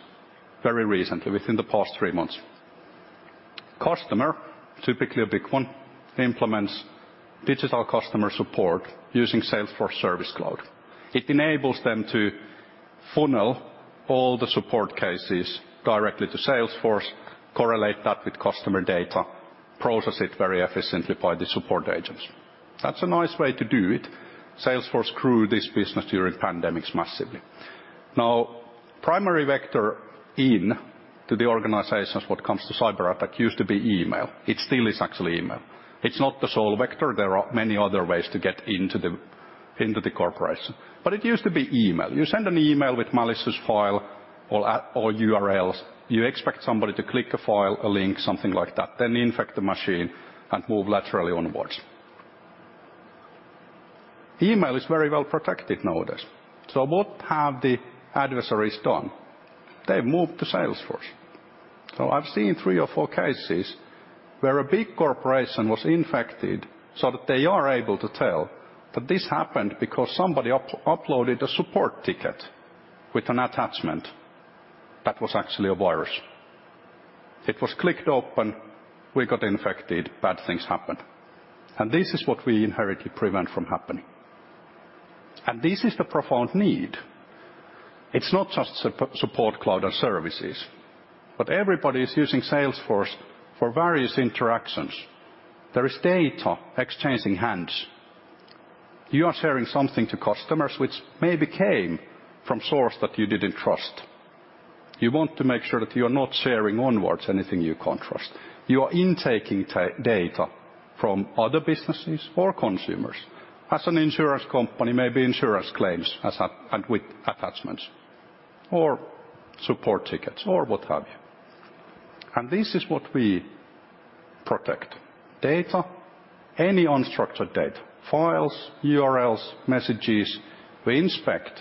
very recently, within the past three months. Customer, typically a big one, implements digital customer support using Salesforce Service Cloud. It enables them to funnel all the support cases directly to Salesforce, correlate that with customer data, process it very efficiently by the support agents. That's a nice way to do it. Salesforce grew this business during pandemic massively. Now, primary vector into the organizations when it comes to cyberattacks used to be email. It still is actually email. It's not the sole vector. There are many other ways to get into the corporation. It used to be email. You send an email with malicious file or URLs, you expect somebody to click a file, a link, something like that, then infect the machine and move laterally onwards. Email is very well protected nowadays. What have the adversaries done? They've moved to Salesforce. I've seen three or four cases where a big corporation was infected so that they are able to tell that this happened because somebody uploaded a support ticket with an attachment that was actually a virus. It was clicked open, we got infected, bad things happened. This is what we inherently prevent from happening. This is the profound need. It's not just support cloud and services, but everybody is using Salesforce for various interactions. There is data exchanging hands. You are sharing something to customers which maybe came from source that you didn't trust. You want to make sure that you're not sharing onwards anything you can't trust. You are intaking data from other businesses or consumers. As an insurance company, maybe insurance claims and with attachments or support tickets or what have you. This is what we protect, data, any unstructured data, files, URLs, messages. We inspect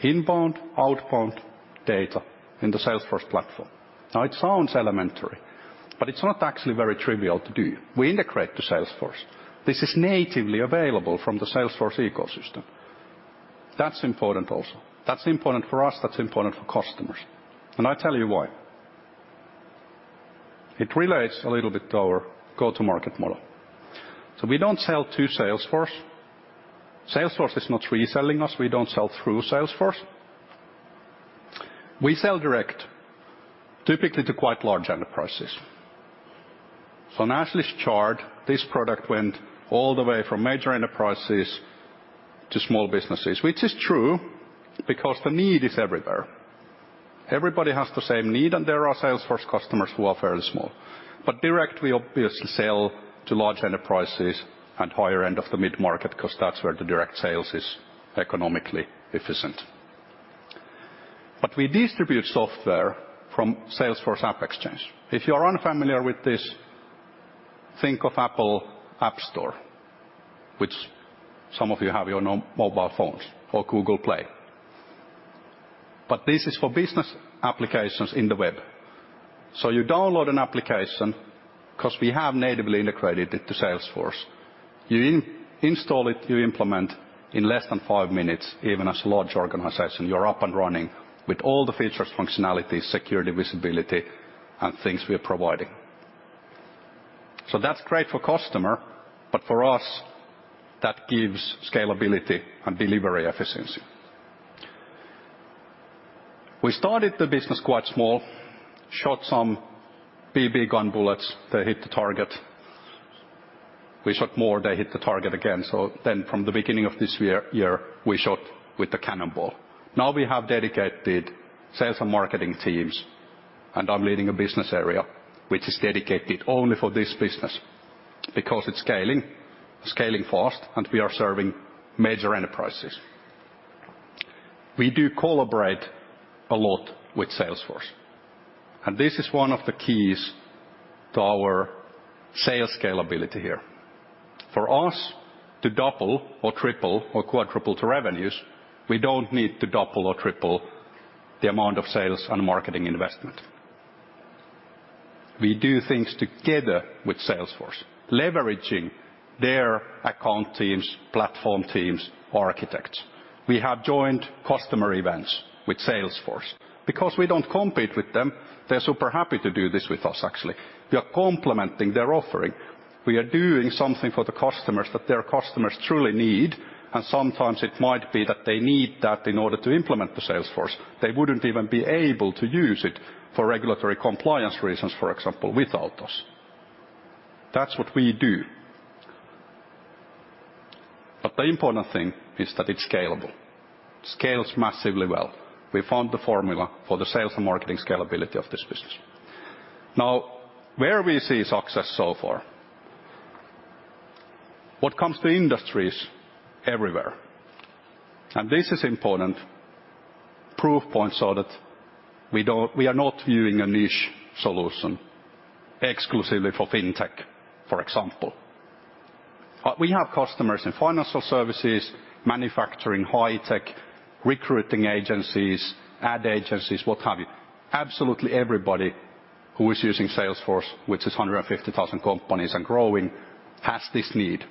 inbound, outbound data in the Salesforce platform. Now, it sounds elementary, but it's not actually very trivial to do. We integrate to Salesforce. This is natively available from the Salesforce ecosystem. That's important also. That's important for us, that's important for customers. I tell you why. It relates a little bit to our go-to-market model. We don't sell to Salesforce. Salesforce is not reselling us, we don't sell through Salesforce. We sell direct, typically to quite large enterprises. On Ashley's chart, this product went all the way from major enterprises to small businesses, which is true because the need is everywhere. Everybody has the same need, and there are Salesforce customers who are fairly small. Direct, we obviously sell to large enterprises and higher end of the mid-market because that's where the direct sales is economically efficient. We distribute software from Salesforce AppExchange. If you're unfamiliar with this, think of Apple App Store, which some of you have your mobile phones or Google Play. This is for business applications in the web. You download an application because we have natively integrated it to Salesforce. You install it, you implement in less than five minutes, even as a large organization, you're up and running with all the features, functionalities, security, visibility and things we are providing. That's great for customer, but for us, that gives scalability and delivery efficiency. We started the business quite small, shot some BB gun bullets, they hit the target. We shot more, they hit the target again. From the beginning of this year, we shot with the cannonball. Now we have dedicated sales and marketing teams, and I'm leading a business area which is dedicated only for this business because it's scaling fast, and we are serving major enterprises. We do collaborate a lot with Salesforce, and this is one of the keys to our sales scalability here. For us to double or triple or quadruple the revenues, we don't need to double or triple the amount of sales and marketing investment. We do things together with Salesforce, leveraging their account teams, platform teams, architects. We have joined customer events with Salesforce. Because we don't compete with them, they're super happy to do this with us, actually. We are complementing their offering. We are doing something for the customers that their customers truly need, and sometimes it might be that they need that in order to implement the Salesforce. They wouldn't even be able to use it for regulatory compliance reasons, for example, without us. That's what we do. The important thing is that it's scalable. Scales massively well. We found the formula for the sales and marketing scalability of this business. Now, where we see success so far, what comes to industries everywhere, and this is important, proof point so that we don't, we are not viewing a niche solution exclusively for fintech, for example. We have customers in financial services, manufacturing, high-tech, recruiting agencies, ad agencies, what have you. Absolutely everybody who is using Salesforce, which is 150,000 companies and growing, has this need.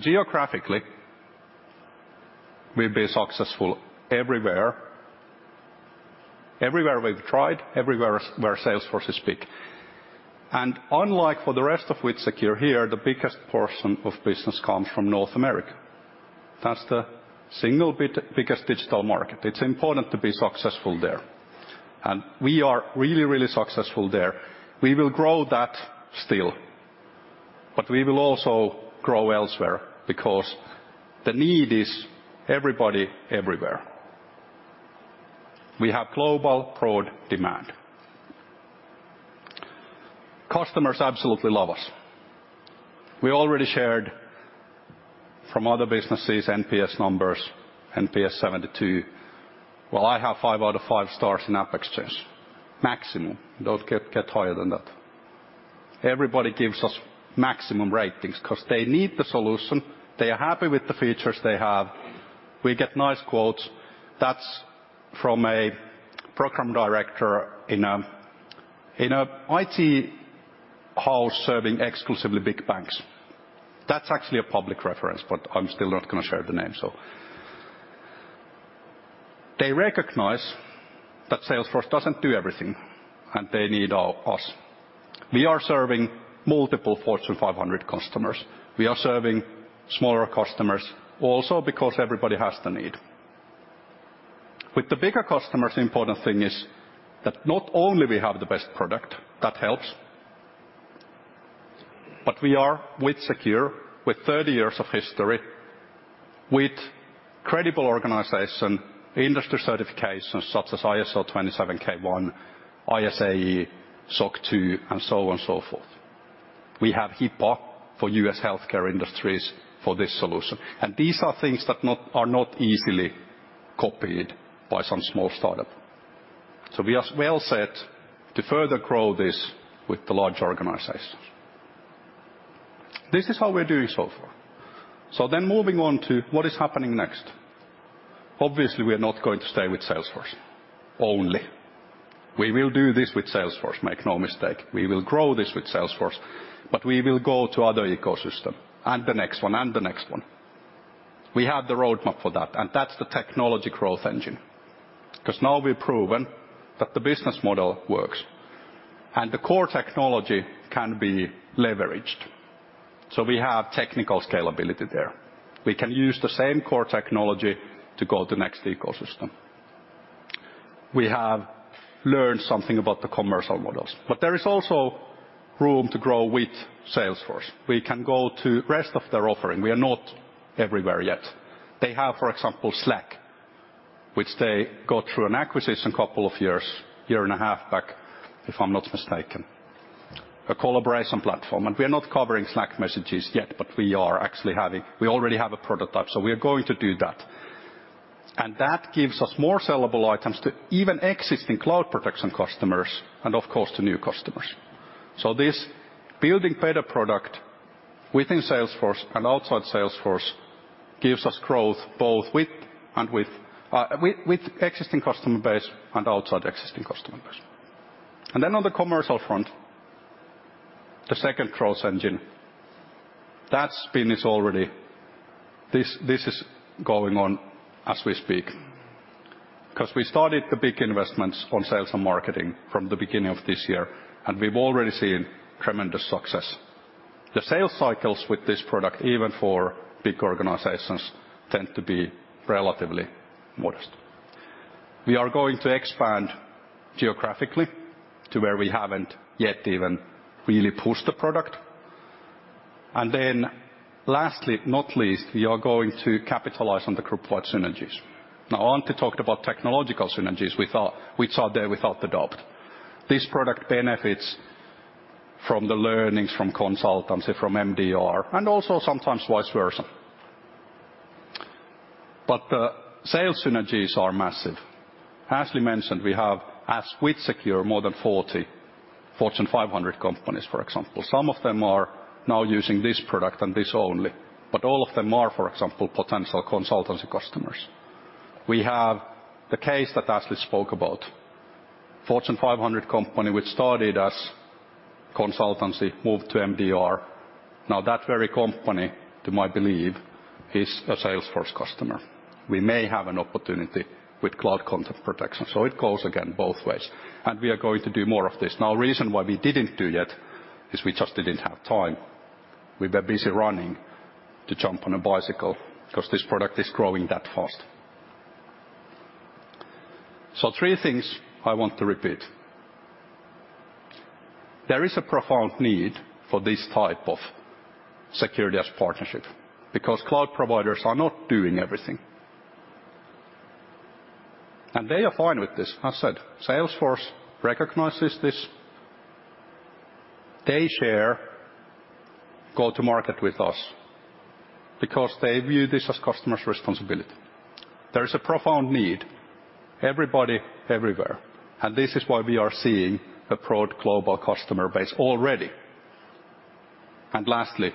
Geographically, we've been successful everywhere we've tried, where Salesforce is big. Unlike for the rest of WithSecure here, the biggest portion of business comes from North America. That's the biggest digital market. It's important to be successful there. We are really, really successful there. We will grow that still, but we will also grow elsewhere because the need is everybody, everywhere. We have global broad demand. Customers absolutely love us. We already shared from other businesses NPS numbers, NPS 72. Well, I have five out of 5 stars in AppExchange. Maximum. Don't get higher than that. Everybody gives us maximum ratings 'cause they need the solution. They are happy with the features they have. We get nice quotes. That's from a program director in an IT hall serving exclusively big banks. That's actually a public reference, but I'm still not gonna share the name, so. They recognize that Salesforce doesn't do everything, and they need us. We are serving multiple Fortune 500 customers. We are serving smaller customers also because everybody has the need. With the bigger customers, the important thing is that not only we have the best product, that helps, but we are WithSecure with 30 years of history, with credible organization, industry certifications such as ISO 27001, ISAE, SOC 2, and so on and so forth. We have HIPAA for U.S. healthcare industries for this solution. These are things that are not easily copied by some small startup. We are well set to further grow this with the large organizations. This is how we're doing so far. Moving on to what is happening next. Obviously, we are not going to stay with Salesforce only. We will do this with Salesforce, make no mistake. We will grow this with Salesforce, but we will go to other ecosystem, and the next one, and the next one. We have the roadmap for that, and that's the technology growth engine. Now we've proven that the business model works, and the core technology can be leveraged. We have technical scalability there. We can use the same core technology to go to next ecosystem. We have learned something about the commercial models, but there is also room to grow with Salesforce. We can go to rest of their offering. We are not everywhere yet. They have, for example, Slack, which they got through an acquisition couple of years, year and a half back, if I'm not mistaken. A collaboration platform. We are not covering Slack messages yet, but we are actually, we already have a prototype, so we are going to do that. That gives us more sellable items to even existing Cloud Protection customers and of course, to new customers. This building better product within Salesforce and outside Salesforce gives us growth both with existing customer base and outside existing customer base. On the commercial front, the second growth engine. This is going on as we speak, 'cause we started the big investments on sales and marketing from the beginning of this year, and we've already seen tremendous success. The sales cycles with this product, even for big organizations, tend to be relatively modest. We are going to expand geographically to where we haven't yet even really pushed the product. Then lastly, not least, we are going to capitalize on the group-wide synergies. Now, Antti talked about technological synergies with which are there without a doubt. This product benefits from the learnings from consultancy, from MDR, and also sometimes vice versa. The sales synergies are massive. Ashley mentioned we have, as WithSecure, more than 40 Fortune 500 companies, for example. Some of them are now using this product and this only, but all of them are, for example, potential consultancy customers. We have the case that Ashley spoke about. Fortune 500 company which started as consultancy, moved to MDR. Now that very company, to my belief, is a Salesforce customer. We may have an opportunity with Cloud Protection. It goes, again, both ways, and we are going to do more of this. Now reason why we didn't do yet is we just didn't have time. We were busy running to jump on a bicycle 'cause this product is growing that fast. Three things I want to repeat. There is a profound need for this type of security as partnership because cloud providers are not doing everything. They are fine with this. I said, Salesforce recognizes this. They share go-to-market with us because they view this as customer's responsibility. There is a profound need, everybody, everywhere, and this is why we are seeing a broad global customer base already. Lastly,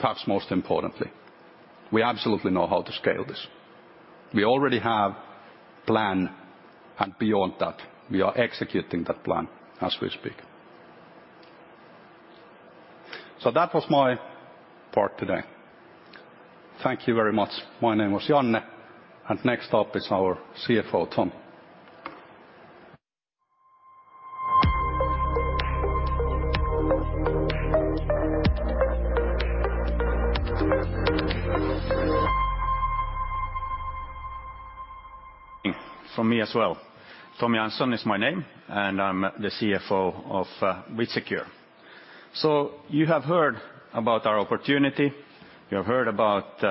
perhaps most importantly, we absolutely know how to scale this. We already have plan, and beyond that, we are executing that plan as we speak. That was my part today. Thank you very much. My name was Janne, and next up is our CFO, Tom. From me as well. Tom Jansson is my name, and I'm the CFO of WithSecure. You have heard about our opportunity, you have heard about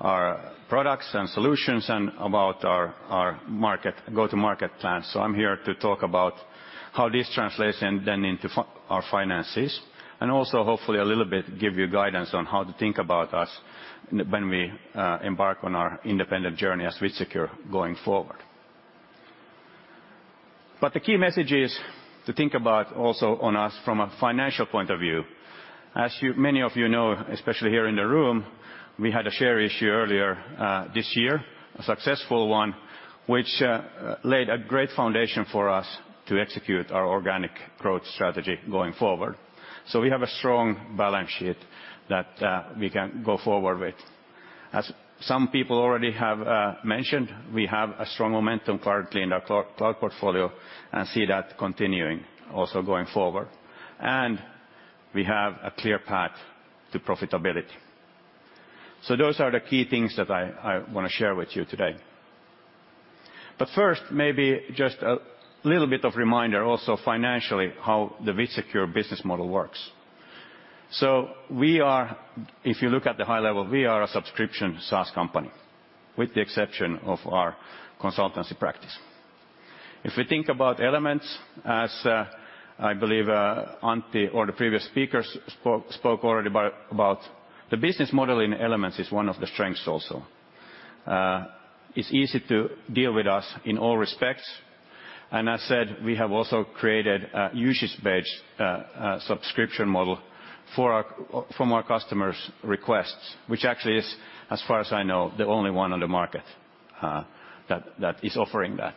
our products and solutions and about our market, go-to-market plan. I'm here to talk about how this translates into our finances, and also hopefully a little bit give you guidance on how to think about us when we embark on our independent journey as WithSecure going forward. The key message is to think about us from a financial point of view. As many of you know, especially here in the room, we had a share issue earlier this year, a successful one, which laid a great foundation for us to execute our organic growth strategy going forward. We have a strong balance sheet that we can go forward with. As some people already have mentioned, we have a strong momentum currently in our cloud portfolio and see that continuing also going forward. We have a clear path to profitability. Those are the key things that I wanna share with you today. First, maybe just a little bit of reminder, also financially, how the WithSecure business model works. We are, if you look at the high level, we are a subscription SaaS company, with the exception of our consultancy practice. If we think about Elements, as I believe Antti or the previous speakers spoke already about, the business model in Elements is one of the strengths also. It's easy to deal with us in all respects. As said, we have also created a usage-based subscription model from our customers' requests, which actually is, as far as I know, the only one on the market that is offering that.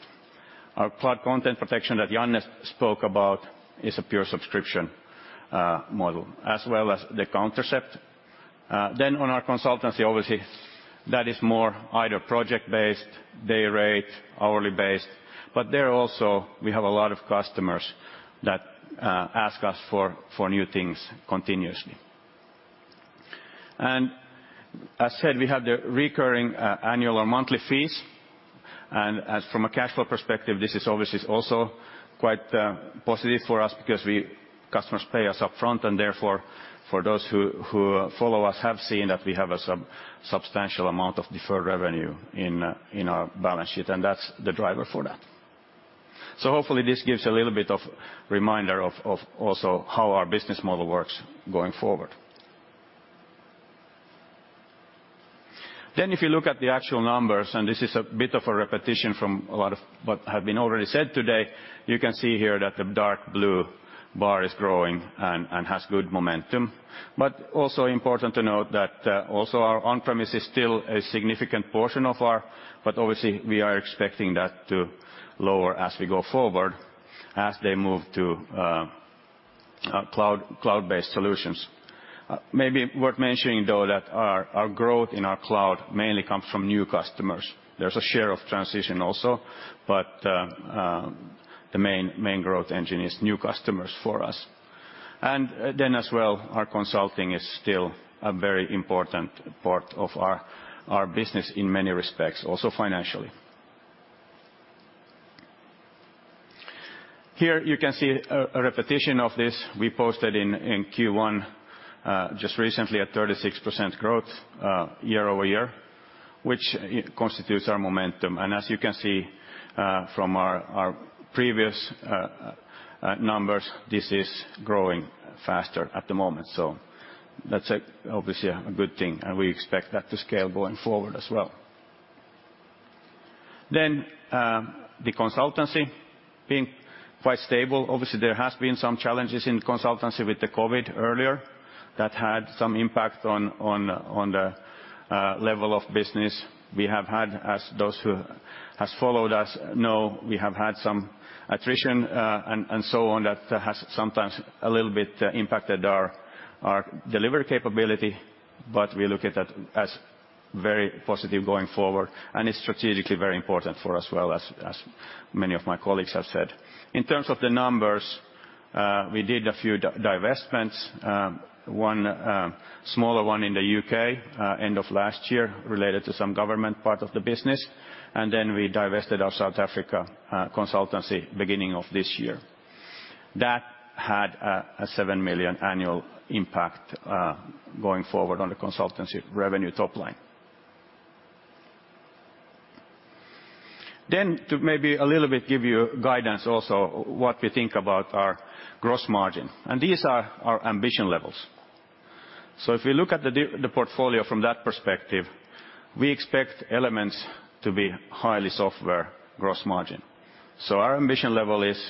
Our Cloud Protection that Janne spoke about is a pure subscription model, as well as the Countercept. On our consultancy, obviously, that is more either project-based, day rate, hourly based. There also we have a lot of customers that ask us for new things continuously. We have the recurring annual or monthly fees. As from a cash flow perspective, this is obviously also quite positive for us because customers pay us up front and therefore for those who follow us have seen that we have a substantial amount of deferred revenue in our balance sheet, and that's the driver for that. Hopefully this gives a little bit of reminder of also how our business model works going forward. If you look at the actual numbers, and this is a bit of a repetition from a lot of what have been already said today, you can see here that the dark blue bar is growing and has good momentum. Also important to note that also our on-premise is still a significant portion of our, but obviously we are expecting that to lower as we go forward, as they move to cloud-based solutions. Maybe worth mentioning though that our growth in our cloud mainly comes from new customers. There's a share of transition also, but the main growth engine is new customers for us. As well, our consulting is still a very important part of our business in many respects, also financially. Here you can see a repetition of this. We posted in Q1 just recently a 36% growth year-over-year, which it constitutes our momentum. As you can see from our previous numbers, this is growing faster at the moment. That's, obviously, a good thing, and we expect that to scale going forward as well. The consultancy being quite stable. Obviously, there has been some challenges in consultancy with the COVID earlier that had some impact on the level of business. We have had, as those who has followed us know, we have had some attrition, and so on that has sometimes a little bit impacted our delivery capability, but we look at that as very positive going forward, and it's strategically very important for us, as many of my colleagues have said. In terms of the numbers, we did a few divestments. One smaller one in the UK end of last year related to some government part of the business, and then we divested our South Africa consultancy beginning of this year. That had a seven million annual impact going forward on the consultancy revenue top line. To maybe a little bit give you guidance also what we think about our gross margin, and these are our ambition levels. If you look at the portfolio from that perspective, we expect Elements to be highly software gross margin. Our ambition level is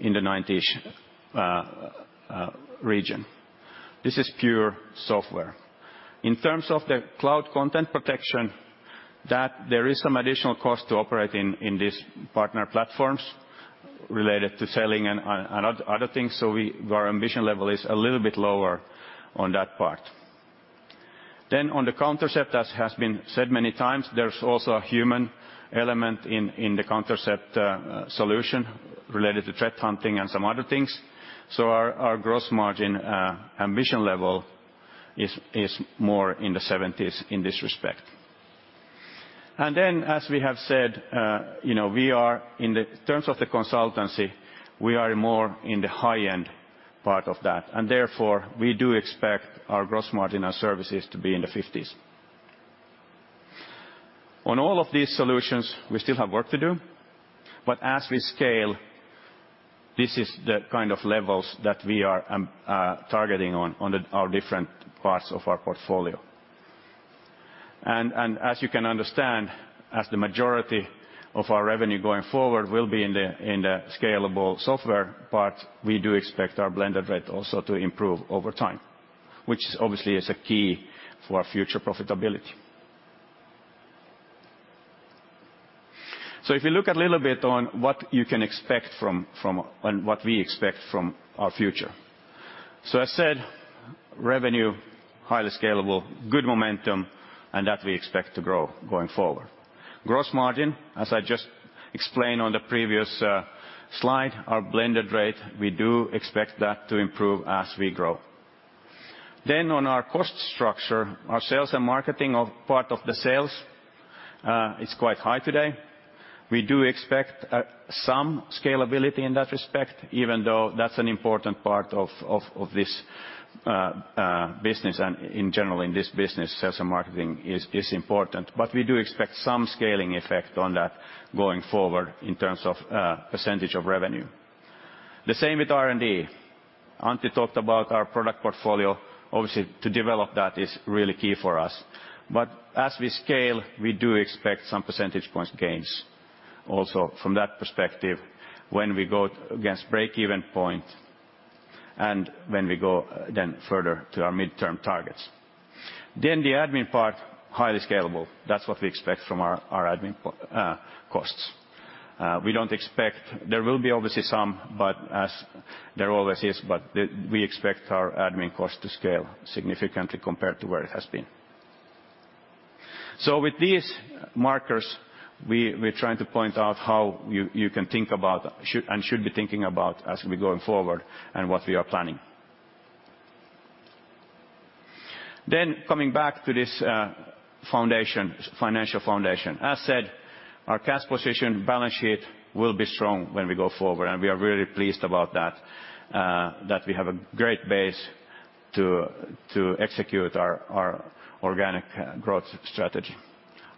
in the 90%-ish region. This is pure software. In terms of the Cloud Protection, that there is some additional cost to operate in these partner platforms related to selling and other things. Our ambition level is a little bit lower on that part. On the Countercept, as has been said many times, there's also a human element in the Countercept solution related to threat hunting and some other things. Our gross margin ambition level is more in the 70s in this respect. As we have said, in terms of the consultancy, we are more in the high-end part of that, and therefore, we do expect our gross margin and services to be in the 50s. On all of these solutions, we still have work to do, but as we scale, this is the kind of levels that we are targeting on our different parts of our portfolio. As you can understand, as the majority of our revenue going forward will be in the scalable software part, we do expect our blended rate also to improve over time, which obviously is a key for our future profitability. If you look a little bit on what we expect from our future. As said, revenue, highly scalable, good momentum, and that we expect to grow going forward. Gross margin, as I just explained on the previous slide, our blended rate, we do expect that to improve as we grow. On our cost structure, our sales and marketing of part of the sales is quite high today. We do expect some scalability in that respect, even though that's an important part of this business and in general in this business, sales and marketing is important. We do expect some scaling effect on that going forward in terms of percentage of revenue. The same with R&D. Antti talked about our product portfolio. Obviously, to develop that is really key for us. As we scale, we do expect some percentage points gains also from that perspective when we go against break-even point and when we go then further to our midterm targets. The admin part, highly scalable. That's what we expect from our admin costs. We don't expect. There will be obviously some, but as there always is, we expect our admin cost to scale significantly compared to where it has been. With these markers, we're trying to point out how you can think about, should and should be thinking about as we're going forward, and what we are planning. Coming back to this foundation, financial foundation. As said, our cash position balance sheet will be strong when we go forward, and we are really pleased about that we have a great base to execute our organic growth strategy.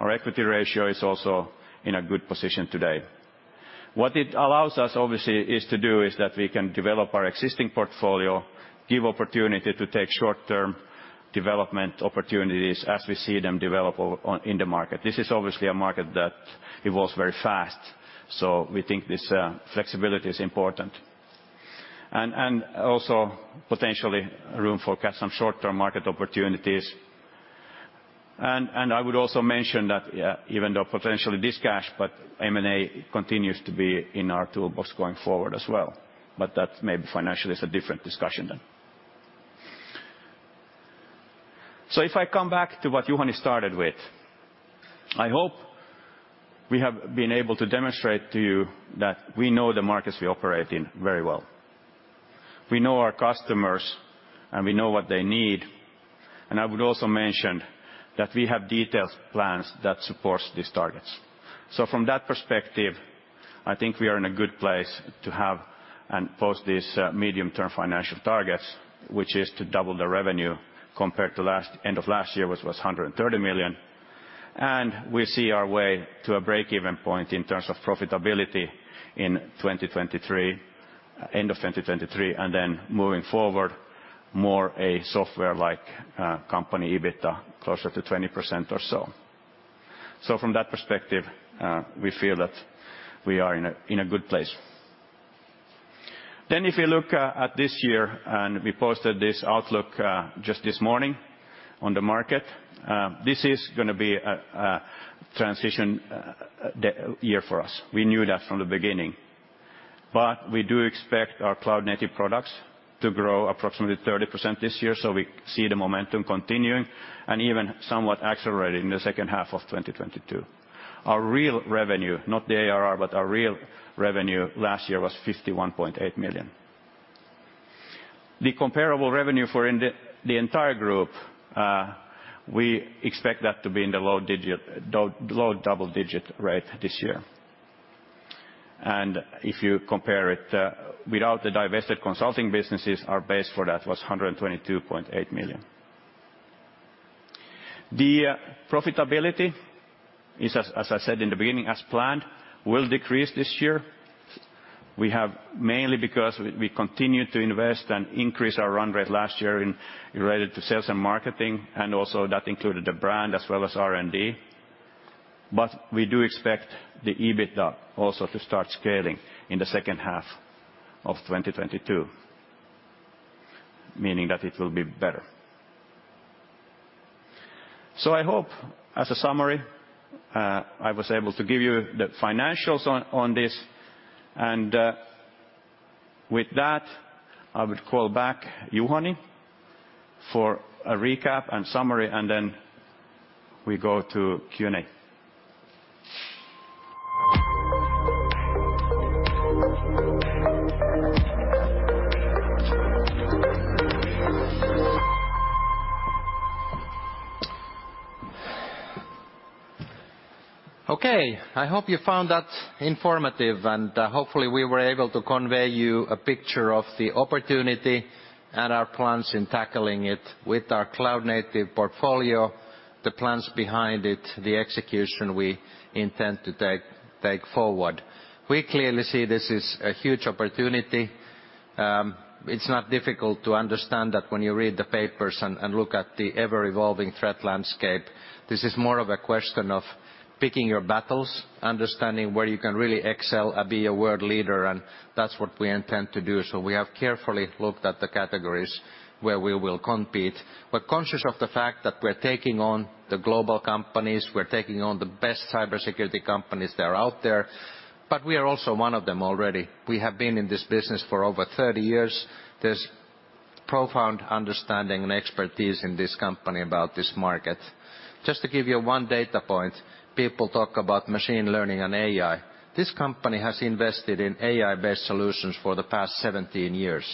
Our equity ratio is also in a good position today. What it allows us, obviously, is that we can develop our existing portfolio, give opportunity to take short-term development opportunities as we see them develop in the market. This is obviously a market that evolves very fast, so we think this flexibility is important. Also potentially room for some short-term market opportunities. I would also mention that even though potentially this cash, but M&A continues to be in our toolbox going forward as well. That may be financially is a different discussion than. If I come back to what Juhani started with, I hope we have been able to demonstrate to you that we know the markets we operate in very well. We know our customers, and we know what they need. I would also mention that we have detailed plans that supports these targets. From that perspective, I think we are in a good place to have and post these medium-term financial targets, which is to double the revenue compared to end of last year, which was 130 million. We see our way to a break-even point in terms of profitability in 2023, end of 2023, and then moving forward, more a software-like company EBITA, closer to 20% or so. From that perspective, we feel that we are in a good place. If you look at this year, and we posted this outlook just this morning on the market, this is gonna be a transition year for us. We knew that from the beginning. We do expect our cloud-native products to grow approximately 30% this year, so we see the momentum continuing and even somewhat accelerating in the second half of 2022. Our real revenue, not the ARR, but our real revenue last year was 51.8 million. The comparable revenue for the entire group, we expect that to be in the low double-digit rate this year. If you compare it without the divested consulting businesses, our base for that was 122.8 million. The profitability is, as I said in the beginning, as planned, will decrease this year. We have mainly because we continued to invest and increase our run rate last year in relation to sales and marketing, and also that included the brand as well as R&D. We do expect the EBITA also to start scaling in the second half of 2022, meaning that it will be better. I hope, as a summary, I was able to give you the financials on this. With that, I would call back Juhani for a recap and summary, and then we go to Q&A. Okay, I hope you found that informative, and hopefully we were able to convey to you a picture of the opportunity and our plans in tackling it with our cloud-native portfolio, the plans behind it, the execution we intend to take forward. We clearly see this is a huge opportunity. It's not difficult to understand that when you read the papers and look at the ever-evolving threat landscape. This is more of a question of picking your battles, understanding where you can really excel and be a world leader, and that's what we intend to do. We have carefully looked at the categories where we will compete. We're conscious of the fact that we're taking on the global companies, we're taking on the best cybersecurity companies that are out there, but we are also one of them already. We have been in this business for over 30 years. There's profound understanding and expertise in this company about this market. Just to give you one data point, people talk about machine learning and AI. This company has invested in AI-based solutions for the past 17 years.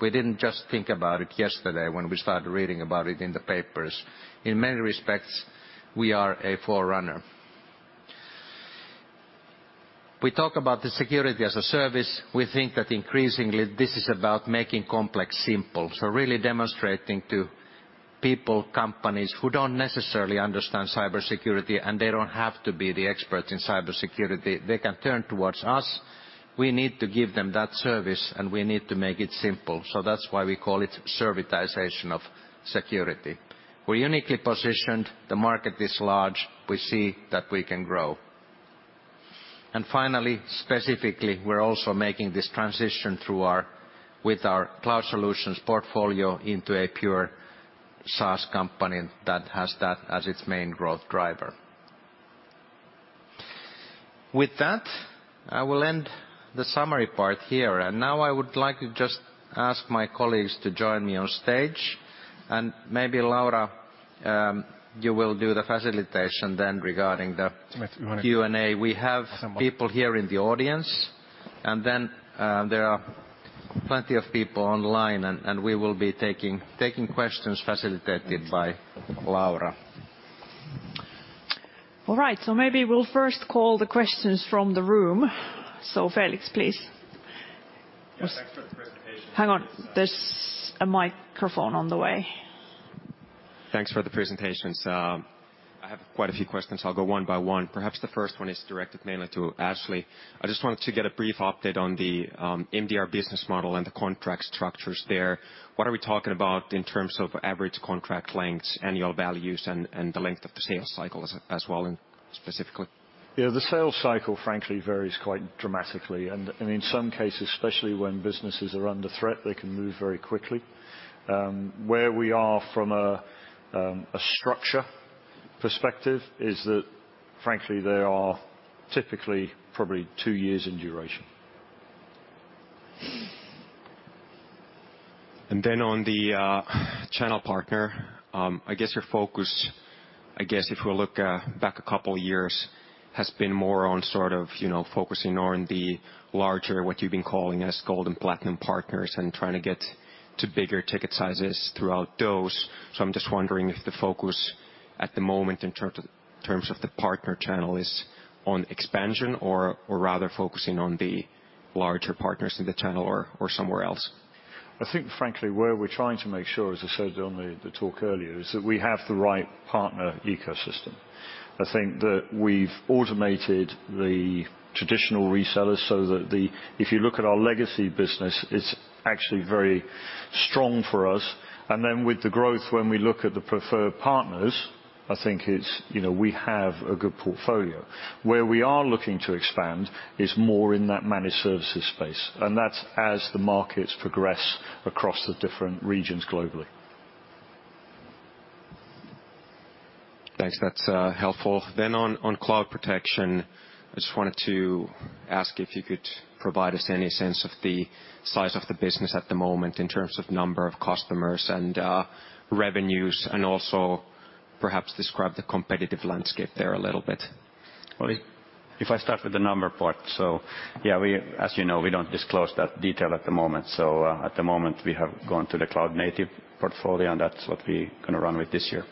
We didn't just think about it yesterday when we started reading about it in the papers. In many respects, we are a forerunner. We talk about the security as a service. We think that increasingly this is about making complex simple. Really demonstrating to people, companies who don't necessarily understand cybersecurity, and they don't have to be the experts in cybersecurity, they can turn towards us. We need to give them that service, and we need to make it simple. That's why we call it servitization of security. We're uniquely positioned, the market is large, we see that we can grow. Finally, specifically, we're also making this transition with our cloud solutions portfolio into a pure SaaS company that has that as its main growth driver. With that, I will end the summary part here. Now I would like to just ask my colleagues to join me on stage. Maybe Laura, you will do the facilitation then regarding the- With you. Q&A. We have people here in the audience, and then there are plenty of people online and we will be taking questions facilitated by Laura. All right. Maybe we'll first call the questions from the room. Felix, please. Yes. Thanks for the presentation. Hang on. There's a microphone on the way. Thanks for the presentations. I have quite a few questions. I'll go one by one. Perhaps the first one is directed mainly to Ashley. I just wanted to get a brief update on the MDR business model and the contract structures there. What are we talking about in terms of average contract lengths, annual values, and the length of the sales cycle as well, and specifically? Yeah, the sales cycle, frankly, varies quite dramatically. In some cases, especially when businesses are under threat, they can move very quickly. Where we are from a structure Perspective is that frankly, they are typically probably two years in duration. On the channel partner, I guess your focus, I guess if we look back a couple years, has been more on sort of, you know, focusing on the larger, what you've been calling as gold and platinum partners and trying to get to bigger ticket sizes throughout those. I'm just wondering if the focus at the moment in terms of the partner channel is on expansion or rather focusing on the larger partners in the channel or somewhere else. I think frankly where we're trying to make sure, as I said on the talk earlier, is that we have the right partner ecosystem. I think that we've automated the traditional resellers so that the. If you look at our legacy business, it's actually very strong for us. With the growth, when we look at the preferred partners, I think it's, you know, we have a good portfolio. Where we are looking to expand is more in that managed services space, and that's as the markets progress across the different regions globally. Thanks. That's helpful. On Cloud Protection, I just wanted to ask if you could provide us any sense of the size of the business at the moment in terms of number of customers and revenues, and also perhaps describe the competitive landscape there a little bit? Well, if I start with the number part, so yeah, we, as you know, we don't disclose that detail at the moment. At the moment, we have gone to the cloud native portfolio, and that's what we gonna run with this year.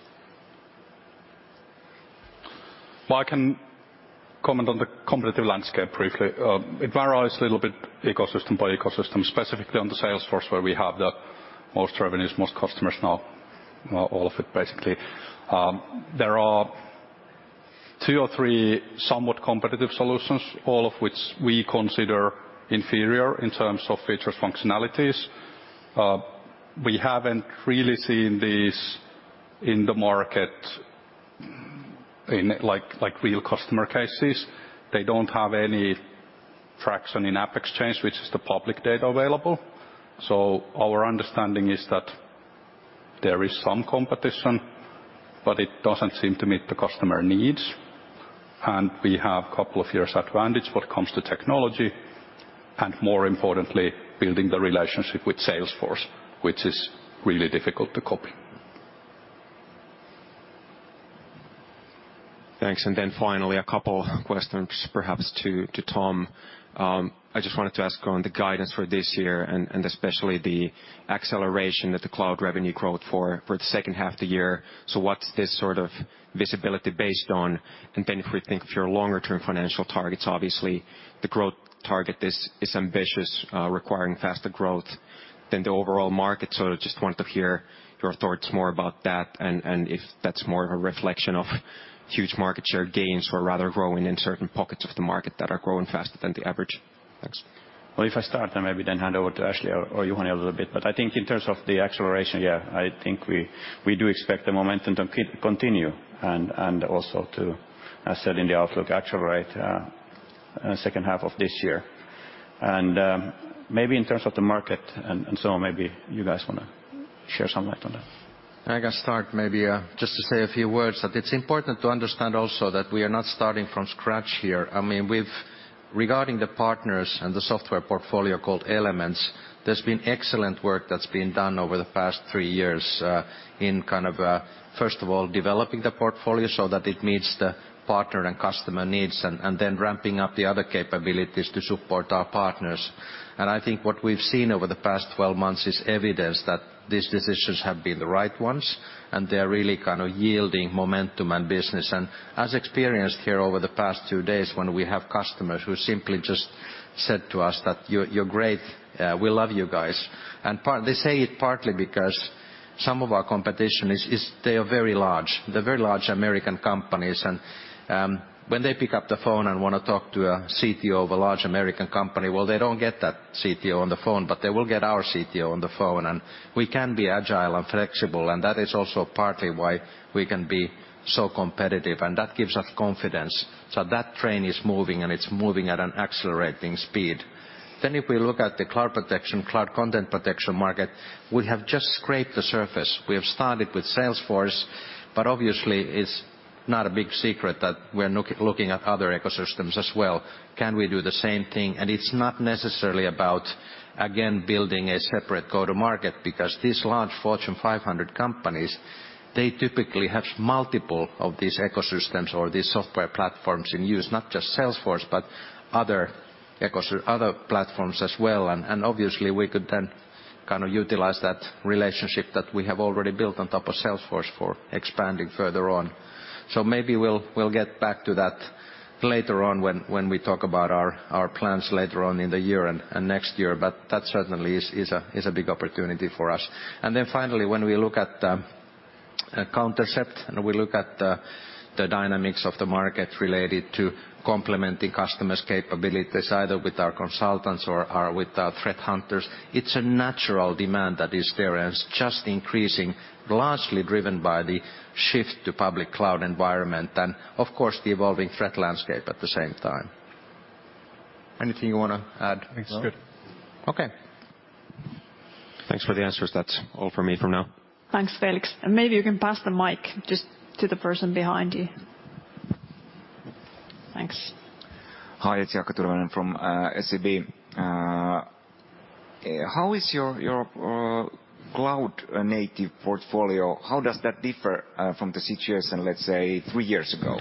Well, I can comment on the competitive landscape briefly. It varies a little bit ecosystem by ecosystem, specifically on the Salesforce where we have the most revenues, most customers now, all of it basically. There are two or three somewhat competitive solutions, all of which we consider inferior in terms of features, functionalities. We haven't really seen these in the market in like real customer cases. They don't have any traction in AppExchange, which is the public data available. Our understanding is that there is some competition, but it doesn't seem to meet the customer needs, and we have couple of years advantage when it comes to technology, and more importantly, building the relationship with Salesforce, which is really difficult to copy. Thanks. Finally, a couple questions perhaps to Tom. I just wanted to ask on the guidance for this year and especially the acceleration that the cloud revenue growth for the second half of the year. What's this sort of visibility based on? If we think of your longer term financial targets, obviously the growth target is ambitious, requiring faster growth than the overall market. I just wanted to hear your thoughts more about that and if that's more of a reflection of huge market share gains or rather growing in certain pockets of the market that are growing faster than the average. Thanks. Well, if I start then maybe then hand over to Ashley or Juhani a little bit. I think in terms of the acceleration, yeah, I think we do expect the momentum to keep continue and also to, as said in the outlook, accelerate second half of this year. Maybe in terms of the market and so maybe you guys wanna shed some light on that. I can start maybe just to say a few words that it's important to understand also that we are not starting from scratch here. I mean, with regard to the partners and the software portfolio called Elements, there's been excellent work that's been done over the past three years in kind of first of all developing the portfolio so that it meets the partner and customer needs, and then ramping up the other capabilities to support our partners. I think what we've seen over the past 12 months is evidence that these decisions have been the right ones, and they're really kind of yielding momentum and business. As experienced here over the past two days when we have customers who simply just said to us that, "You're great. We love you guys." Part They say it partly because some of our competition is they are very large. They're very large American companies and, when they pick up the phone and wanna talk to a CTO of a large American company, well, they don't get that CTO on the phone, but they will get our CTO on the phone, and we can be agile and flexible, and that is also partly why we can be so competitive, and that gives us confidence. That train is moving, and it's moving at an accelerating speed. If we look at the cloud protection, cloud content protection market, we have just scraped the surface. We have started with Salesforce, but obviously it's not a big secret that we're looking at other ecosystems as well. Can we do the same thing? It's not necessarily about, again, building a separate go-to-market because these large Fortune 500 companies, they typically have multiple of these ecosystems or these software platforms in use, not just Salesforce, but other platforms as well. Obviously we could then kind of utilize that relationship that we have already built on top of Salesforce for expanding further on. Maybe we'll get back to that later on when we talk about our plans later on in the year and next year. That certainly is a big opportunity for us. Finally, when we look at Countercept and we look at the dynamics of the market related to complementing customers' capabilities, either with our consultants or with our threat hunters, it's a natural demand that is there and it's just increasing, largely driven by the shift to public cloud environment and of course the evolving threat landscape at the same time. Anything you wanna add? It's good. Okay. Thanks for the answers. That's all from me for now. Thanks, Felix. Maybe you can pass the mic just to the person behind you. Thanks. Hi, it's Jakob Törneke from SEB. How is your cloud native portfolio, how does that differ from the situation, let's say, three years ago?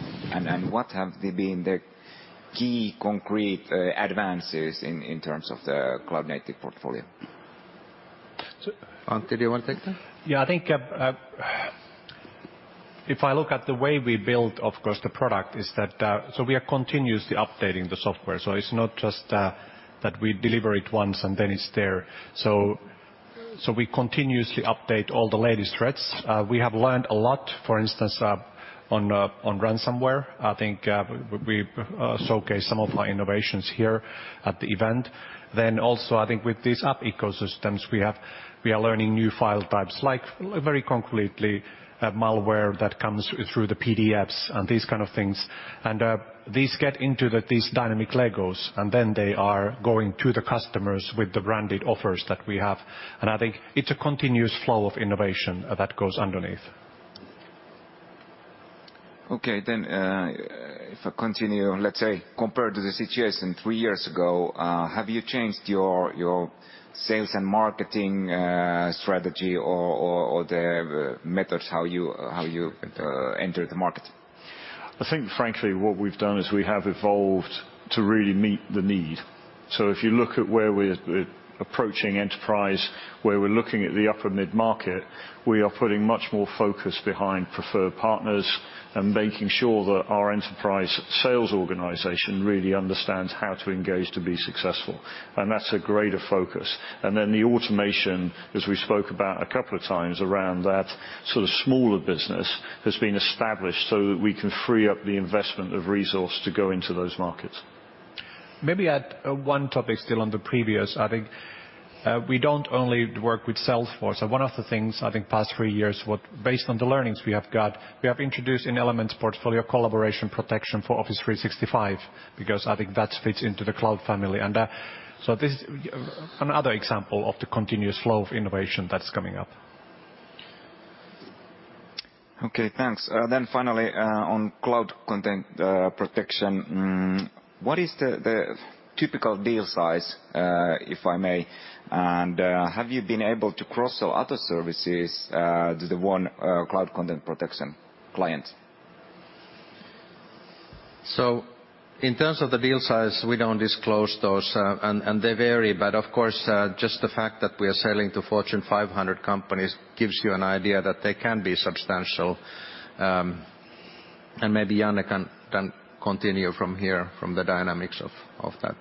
What have been the key concrete advances in terms of the cloud native portfolio? Antti, do you wanna take that? Yeah, I think if I look at the way we build, of course, the product is that we are continuously updating the software, so it's not just that we deliver it once, and then it's there. We continuously update all the latest threats. We have learned a lot, for instance, on ransomware. I think we showcase some of our innovations here at the event. I think with these app ecosystems we have, we are learning new file types, like very concretely a malware that comes through the PDFs and these kind of things. These get into these dynamic Legos, and then they are going to the customers with the branded offers that we have. I think it's a continuous flow of innovation that goes underneath. Okay, if I continue, let's say, compared to the situation three years ago, have you changed your sales and marketing strategy or the methods how you enter the market? I think frankly what we've done is we have evolved to really meet the need. If you look at where we're approaching enterprise, where we're looking at the upper mid-market, we are putting much more focus behind preferred partners and making sure that our enterprise sales organization really understands how to engage to be successful. That's a greater focus. Then the automation, as we spoke about a couple of times around that sort of smaller business, has been established so that we can free up the investment of resource to go into those markets. Maybe add one topic still on the previous. I think we don't only work with Salesforce. One of the things, I think, past three years what based on the learnings we have got, we have introduced in Elements portfolio Cloud Protection for Office 365 because I think that fits into the cloud family. This is another example of the continuous flow of innovation that's coming up. Okay, thanks. Finally, on Cloud Protection, what is the typical deal size, if I may, and have you been able to cross-sell other services to the one Cloud Protection client? In terms of the deal size, we don't disclose those, and they vary. Of course, just the fact that we are selling to Fortune 500 companies gives you an idea that they can be substantial. Maybe Janne can continue from here from the dynamics of that.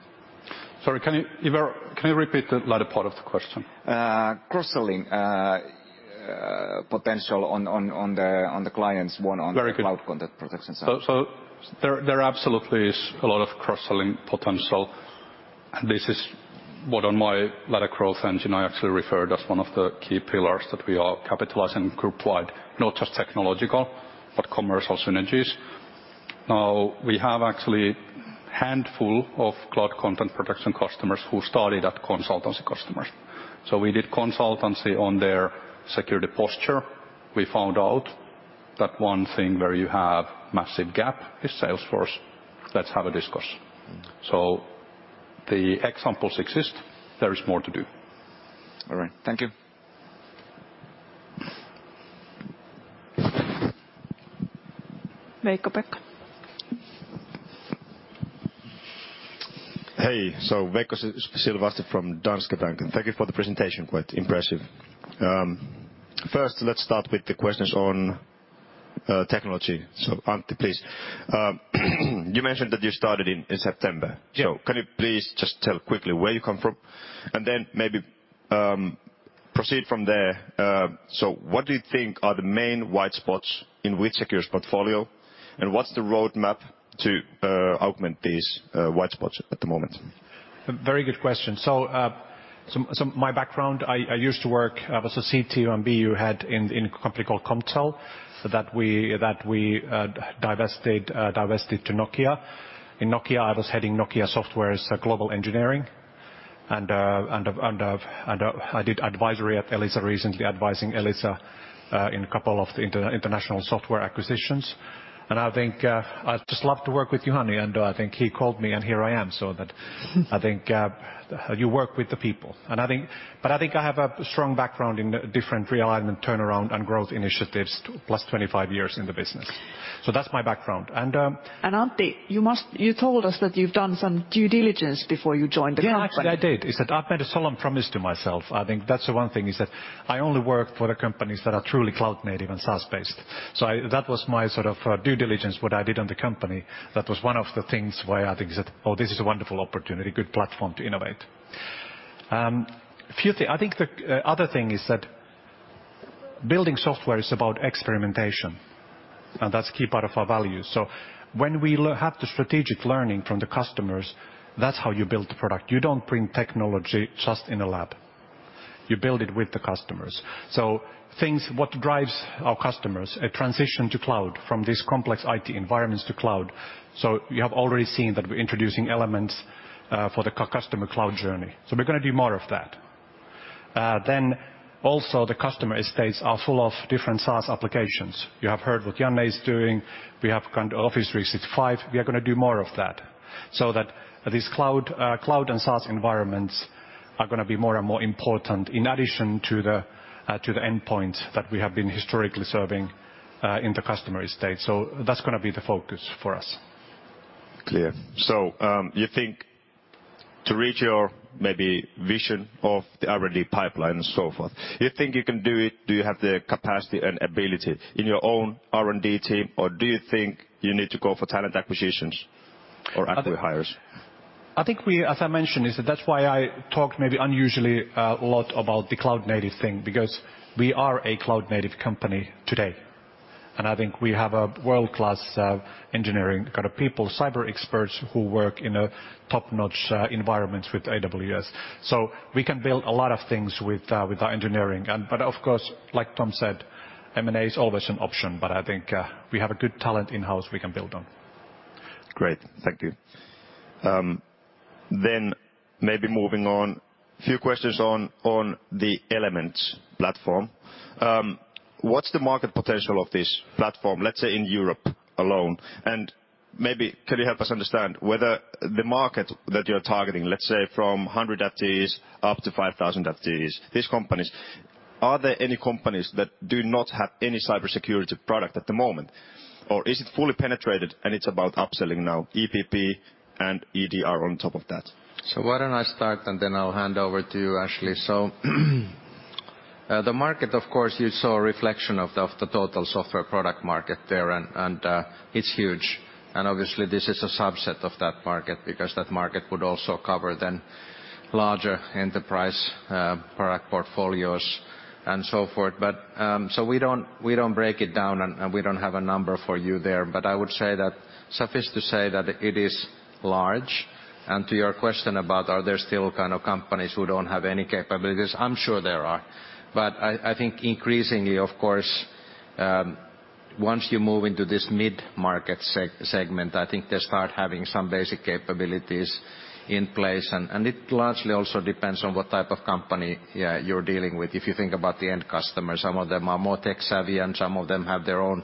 Sorry, can you repeat the latter part of the question? Cross-selling potential on the clients one on- Very good. Cloud content protection side. There absolutely is a lot of cross-selling potential. This is what on my latter growth engine I actually refer to as one of the key pillars that we are capitalizing group wide, not just technological, but commercial synergies. Now, we have actually handful of cloud content protection customers who started at consultancy customers. We did consultancy on their security posture. We found out that one thing where you have massive gap is Salesforce. Let's have a discuss. The examples exist. There is more to do. All right. Thank you. Veikko Pekka. Hey. Veikko Silvasti from Danske Bank, and thank you for the presentation. Quite impressive. First, let's start with the questions on technology. Antti, please. You mentioned that you started in September. Yeah. Can you please just tell quickly where you come from, and then maybe proceed from there. What do you think are the main white spots in which F-Secure's portfolio, and what's the roadmap to augment these white spots at the moment? Very good question. My background, I was a CTO and BU head in a company called Comptel, so that we divested to Nokia. In Nokia, I was heading Nokia Software's global engineering. I did advisory at Elisa, recently advising Elisa in a couple of international software acquisitions. I think I just love to work with Juhani. I think he called me, and here I am. I think you work with the people. I think I have a strong background in different realignment turnaround and growth initiatives plus 25 years in the business. That's my background. Antti, you told us that you've done some due diligence before you joined the company. Yeah, actually I did. It's that I've made a solemn promise to myself. I think that's the one thing, it's that I only work for the companies that are truly cloud-native and SaaS-based. That was my sort of due diligence, what I did on the company. That was one of the things why I think it's that, "Oh, this is a wonderful opportunity, good platform to innovate." I think the other thing is that building software is about experimentation, and that's key part of our value. When we have the strategic learning from the customers, that's how you build the product. You don't bring technology just in a lab. You build it with the customers. What drives our customers? A transition to cloud, from these complex IT environments to cloud. You have already seen that we're introducing elements for the customer cloud journey. We're gonna do more of that. Also the customer estates are full of different SaaS applications. You have heard what Janne is doing. We have Office 365. We are gonna do more of that. That these cloud and SaaS environments are gonna be more and more important in addition to the endpoint that we have been historically serving in the customer estate. That's gonna be the focus for us. Clear. You think to reach your maybe vision of the R&D pipeline and so forth, you think you can do it? Do you have the capacity and ability in your own R&D team, or do you think you need to go for talent acquisitions or active hires? I think, as I mentioned, that's why I talked maybe unusually a lot about the cloud-native thing, because we are a cloud-native company today. I think we have a world-class engineering kind of people, cyber experts who work in a top-notch environment with AWS. We can build a lot of things with our engineering and, but of course, like Tom said, M&A is always an option, but I think we have a good talent in-house we can build on. Great. Thank you. Maybe moving on, few questions on the Elements platform. What's the market potential of this platform, let's say, in Europe alone? Maybe can you help us understand whether the market that you're targeting, let's say from 100 FTEs up to 5,000 FTEs, these companies, are there any companies that do not have any cybersecurity product at the moment? Or is it fully penetrated and it's about upselling now EPP and EDR on top of that? Why don't I start, and then I'll hand over to you, Ashley. The market, of course, you saw a reflection of the total software product market there, and it's huge. Obviously this is a subset of that market because that market would also cover then larger enterprise product portfolios and so forth. We don't break it down and we don't have a number for you there. I would say that suffice to say that it is large. To your question about are there still kind of companies who don't have any capabilities, I'm sure there are. I think increasingly, of course, once you move into this mid-market segment, I think they start having some basic capabilities in place. It largely also depends on what type of company, yeah, you're dealing with. If you think about the end customer, some of them are more tech-savvy and some of them have their own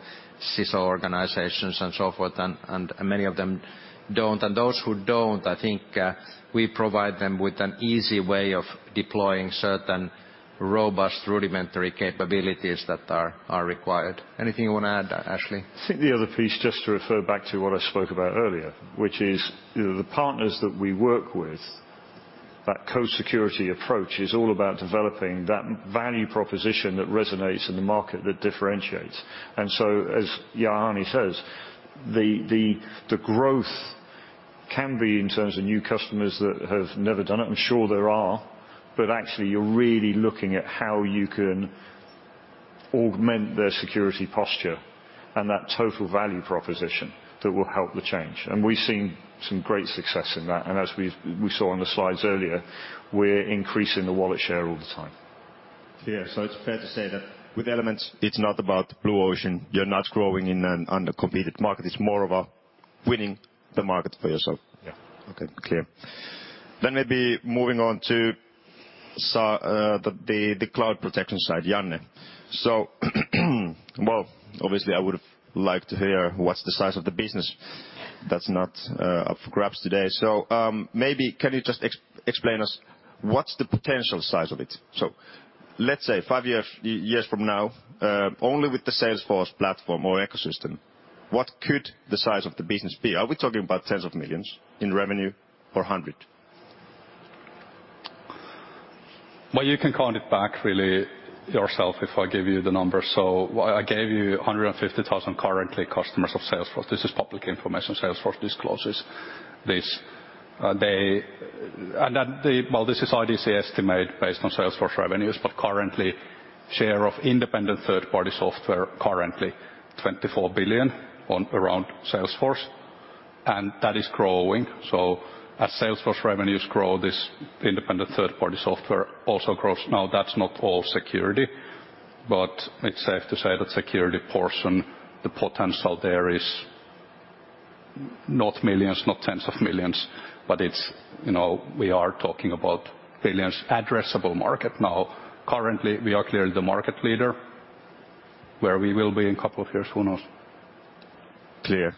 CISO organizations and so forth, and many of them don't. Those who don't, I think, we provide them with an easy way of deploying certain robust rudimentary capabilities that are required. Anything you wanna add, Ashley? I think the other piece, just to refer back to what I spoke about earlier, which is the partners that we work with. That co-security approach is all about developing that value proposition that resonates in the market that differentiates. As Juhani says, the growth can be in terms of new customers that have never done it. I'm sure there are, but actually you're really looking at how you can augment their security posture and that total value proposition that will help the change. We've seen some great success in that. As we saw on the slides earlier, we're increasing the wallet share all the time. Yeah. It's fair to say that with Elements, it's not about blue ocean. You're not growing in an uncontested market. It's more about winning the market for yourself. Yeah. Okay. Clear. Maybe moving on to the Cloud Protection side, Janne. Well, obviously, I would've liked to hear what's the size of the business. That's not up for grabs today. Maybe can you just explain us what's the potential size of it? Let's say five years from now, only with the Salesforce platform or ecosystem, what could the size of the business be? Are we talking about tens of millions EUR in revenue or hundreds? Well, you can count it back really yourself if I give you the numbers. What I gave you 150,000 currently customers of Salesforce. This is public information. Salesforce discloses this. This is IDC estimate based on Salesforce revenues, but currently share of independent third party software currently $24 billion on around Salesforce, and that is growing. As Salesforce revenues grow, this independent third party software also grows. Now that's not all security, but it's safe to say that security portion, the potential there is not millions, not tens of millions, but it's, you know, we are talking about billions addressable market now. Currently, we are clearly the market leader. Where we will be in a couple of years, who knows? Clear.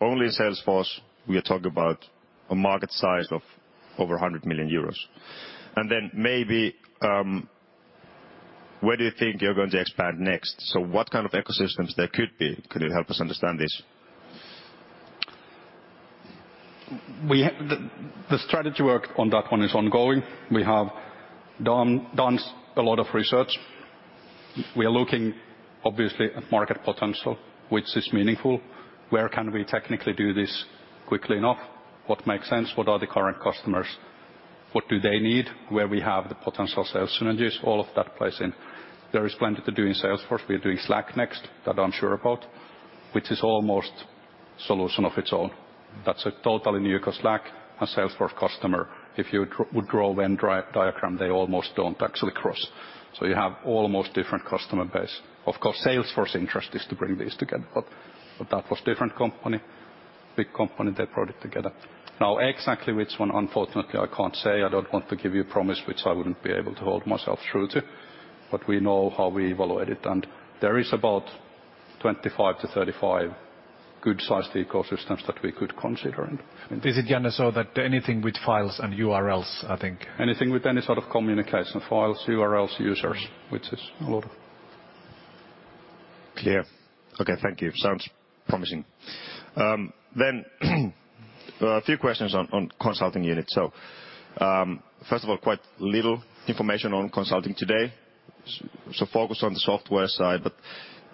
Only Salesforce, we are talking about a market size of over 100 million euros. Maybe, where do you think you're going to expand next? What kind of ecosystems there could be? Could you help us understand this? The strategy work on that one is ongoing. We have done a lot of research. We are looking obviously at market potential, which is meaningful. Where can we technically do this quickly enough? What makes sense? What are the current customers? What do they need? Where we have the potential sales synergies, all of that plays in. There is plenty to do in Salesforce. We are doing Slack next, that I'm sure about, which is almost solution of its own. That's a totally new 'cause Slack and Salesforce customer, if you would draw Venn diagram, they almost don't actually cross. You have almost different customer base. Of course, Salesforce interest is to bring these together, but that was different company, big company, they brought it together. Now, exactly which one, unfortunately, I can't say. I don't want to give you a promise which I wouldn't be able to hold myself true to. We know how we evaluate it, and there is about 25-35 good-sized ecosystems that we could consider and Is it, Janne, so that anything with files and URLs, I think? Anything with any sort of communication, files, URLs, users, which is a lot. Clear. Okay, thank you. Sounds promising. A few questions on consulting unit. First of all, quite little information on consulting today. Focused on the software side, but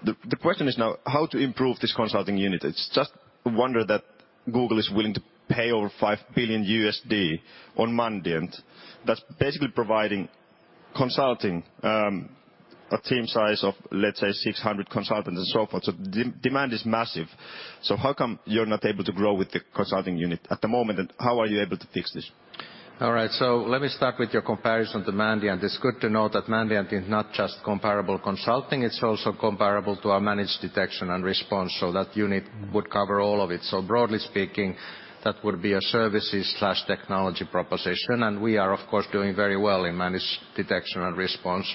the question is now how to improve this consulting unit. I just wonder that Google is willing to pay over $5 billion for Mandiant. That's basically providing consulting, a team size of, let's say, 600 consultants and so forth. Demand is massive. How come you're not able to grow with the consulting unit at the moment, and how are you able to fix this? All right, let me start with your comparison to Mandiant. It's good to know that Mandiant is not just comparable consulting, it's also comparable to our Managed Detection and Response, so that unit would cover all of it. Broadly speaking, that would be a services/technology proposition, and we are of course doing very well in Managed Detection and Response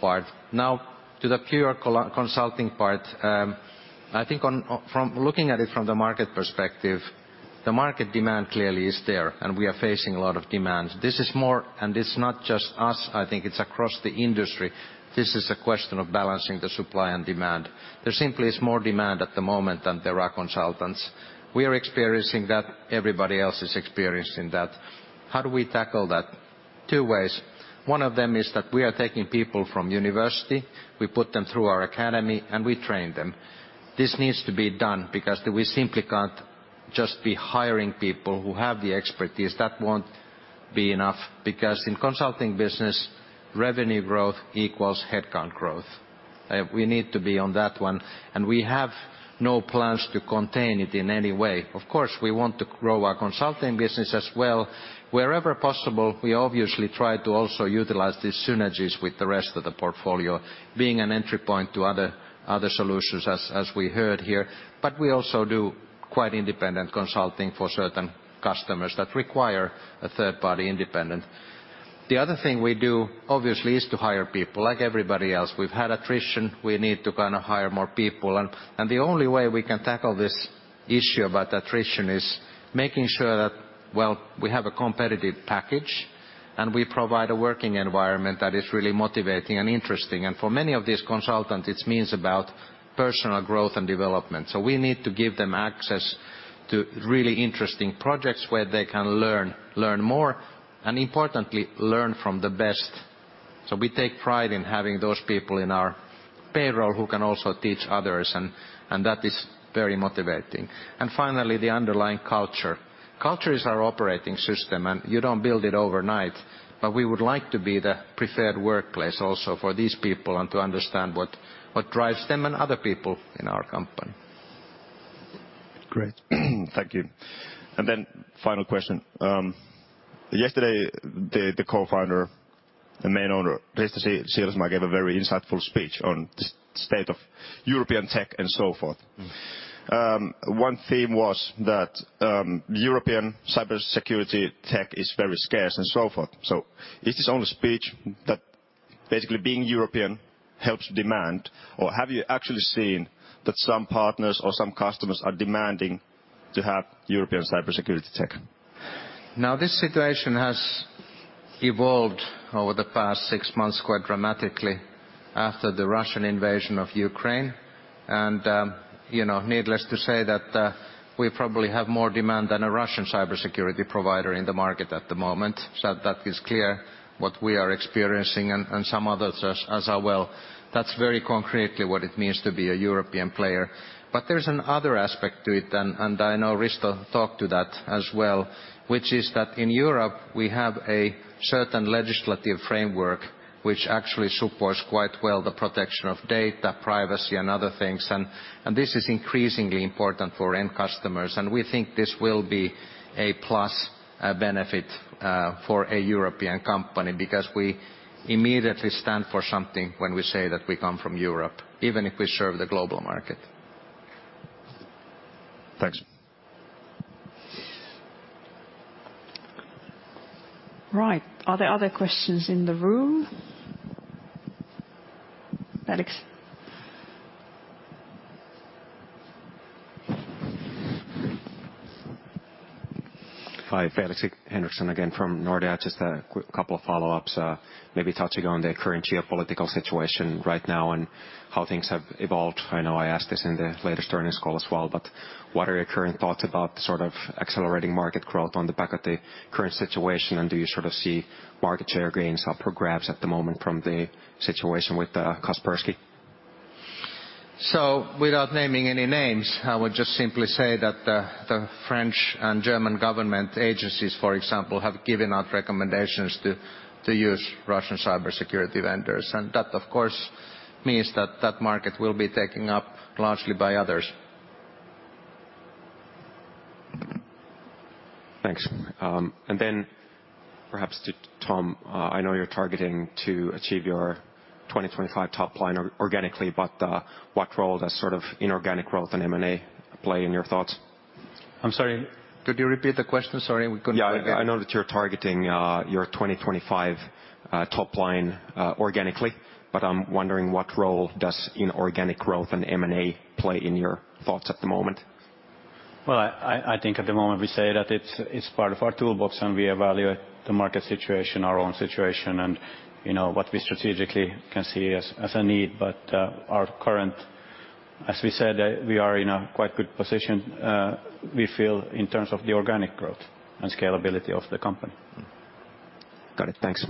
part. Now to the pure consulting part, I think looking at it from the market perspective, the market demand clearly is there, and we are facing a lot of demands. This is more, and it's not just us, I think it's across the industry, this is a question of balancing the supply and demand. There simply is more demand at the moment than there are consultants. We are experiencing that, everybody else is experiencing that. How do we tackle that? Two ways. One of them is that we are taking people from university, we put them through our academy, and we train them. This needs to be done because we simply can't just be hiring people who have the expertise. That won't be enough because in consulting business, revenue growth equals headcount growth. We need to be on that one, and we have no plans to contain it in any way. Of course, we want to grow our consulting business as well. Wherever possible, we obviously try to also utilize these synergies with the rest of the portfolio being an entry point to other solutions as we heard here. We also do quite independent consulting for certain customers that require a third-party independent. The other thing we do, obviously, is to hire people like everybody else. We've had attrition, we need to kinda hire more people. The only way we can tackle this issue about attrition is making sure that, well, we have a competitive package, and we provide a working environment that is really motivating and interesting. For many of these consultants, it means about personal growth and development. We need to give them access to really interesting projects where they can learn more, and importantly, learn from the best. We take pride in having those people in our payroll who can also teach others, and that is very motivating. Finally, the underlying culture. Culture is our operating system, and you don't build it overnight. We would like to be the preferred workplace also for these people and to understand what drives them and other people in our company. Great. Thank you. Final question. Yesterday, the co-founder and main owner, Risto Siilasmaa, gave a very insightful speech on the state of European tech and so forth. One theme was that European cybersecurity tech is very scarce and so forth. Is his own speech that basically being European helps demand? Or have you actually seen that some partners or some customers are demanding to have European cybersecurity tech? Now, this situation has evolved over the past six months quite dramatically after the Russian invasion of Ukraine. You know, needless to say that we probably have more demand than a Russian cybersecurity provider in the market at the moment. That is clear what we are experiencing and some others as well. That's very concretely what it means to be a European player. There's another aspect to it and I know Risto talked to that as well, which is that in Europe, we have a certain legislative framework which actually supports quite well the protection of data, privacy, and other things. This is increasingly important for end customers, and we think this will be a plus, a benefit, for a European company because we immediately stand for something when we say that we come from Europe, even if we serve the global market. Thanks. Right. Are there other questions in the room? Alex. Hi. Felix Henriksson again from Nordea. Just a quick couple of follow-ups, maybe touching on the current geopolitical situation right now and how things have evolved. I know I asked this in the latest earnings call as well, but what are your current thoughts about the sort of accelerating market growth on the back of the current situation, and do you sort of see market share gains up for grabs at the moment from the situation with Kaspersky? Without naming any names, I would just simply say that the French and German government agencies, for example, have given out recommendations to use Russian cybersecurity vendors. That, of course, means that market will be taken up largely by others. Thanks. Perhaps to Tom, I know you're targeting to achieve your 2025 top line organically, but what role does sort of inorganic growth and M&A play in your thoughts? I'm sorry, could you repeat the question? Sorry, we couldn't quite hear. Yeah, I know that you're targeting your 2025 top line organically, but I'm wondering what role does inorganic growth and M&A play in your thoughts at the moment? Well, I think at the moment we say that it's part of our toolbox and we evaluate the market situation, our own situation, and, you know, what we strategically can see as a need. As we said, we are in a quite good position, we feel in terms of the organic growth and scalability of the company. Got it. Thanks.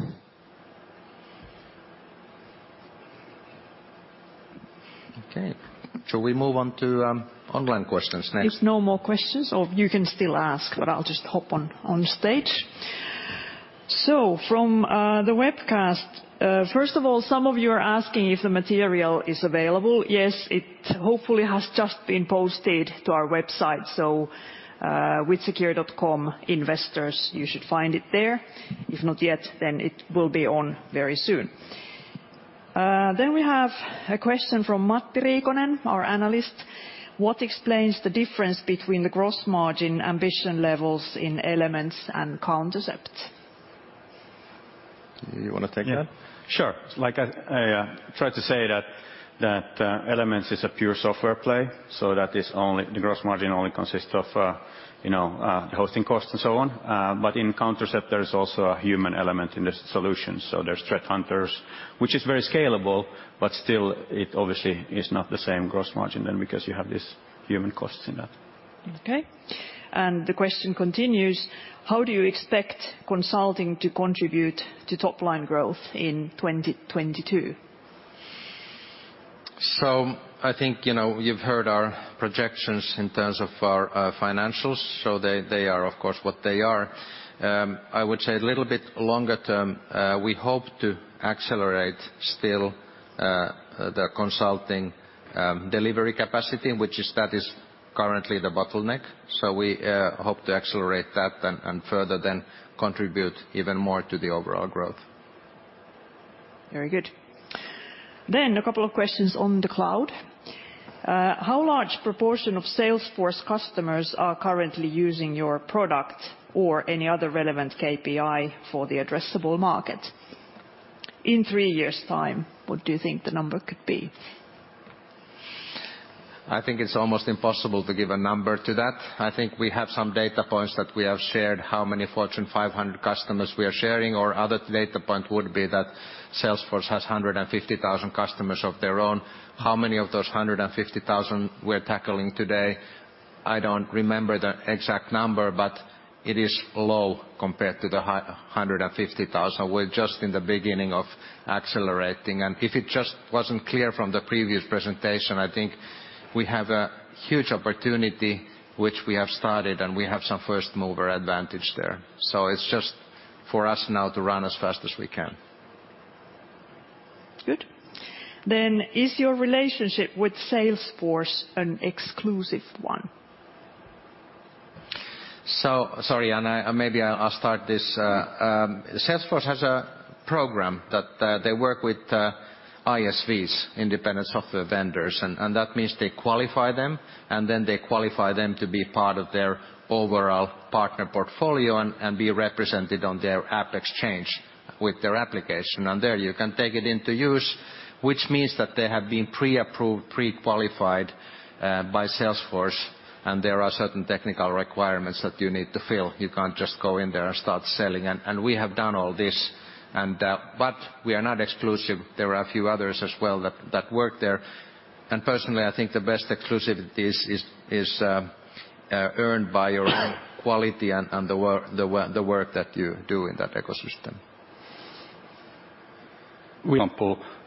Okay. Shall we move on to online questions next? If no more questions, or you can still ask, but I'll just hop on stage. From the webcast, first of all, some of you are asking if the material is available. Yes, it hopefully has just been posted to our website. WithSecure.com investors, you should find it there. If not yet, then it will be on very soon. We have a question from Matti Riikonen, our analyst. What explains the difference between the gross margin ambition levels in Elements and Countercept? You wanna take that? Yeah. Sure. Like I tried to say that Elements is a pure software play, so that is only the gross margin only consists of you know the hosting costs and so on. But in Countercept there is also a human element in the solutions, so there's threat hunters, which is very scalable, but still it obviously is not the same gross margin then because you have these human costs in that. Okay. The question continues: how do you expect consulting to contribute to top-line growth in 2022? I think, you know, you've heard our projections in terms of our financials, so they are of course what they are. I would say a little bit longer term, we hope to accelerate still the consulting delivery capacity, which is currently the bottleneck. We hope to accelerate that and further then contribute even more to the overall growth. Very good. A couple of questions on the cloud. How large proportion of Salesforce customers are currently using your product or any other relevant KPI for the addressable market? In three years' time, what do you think the number could be? I think it's almost impossible to give a number to that. I think we have some data points that we have shared, how many Fortune 500 customers we are sharing, or other data point would be that Salesforce has 150,000 customers of their own. How many of those 150,000 we're tackling today, I don't remember the exact number, but it is low compared to the 150,000. We're just in the beginning of accelerating. If it just wasn't clear from the previous presentation, I think we have a huge opportunity which we have started, and we have some first mover advantage there. It's just for us now to run as fast as we can. Good. Is your relationship with Salesforce an exclusive one? Sorry, Janne Pirttilahti, maybe I'll start this. Salesforce has a program that they work with ISVs, independent software vendors. That means they qualify them to be part of their overall partner portfolio and be represented on their AppExchange with their application. There you can take it into use, which means that they have been pre-approved, pre-qualified by Salesforce, and there are certain technical requirements that you need to fill. You can't just go in there and start selling. We have done all this, but we are not exclusive. There are a few others as well that work there. Personally, I think the best exclusivity is earned by your quality and the work that you do in that ecosystem.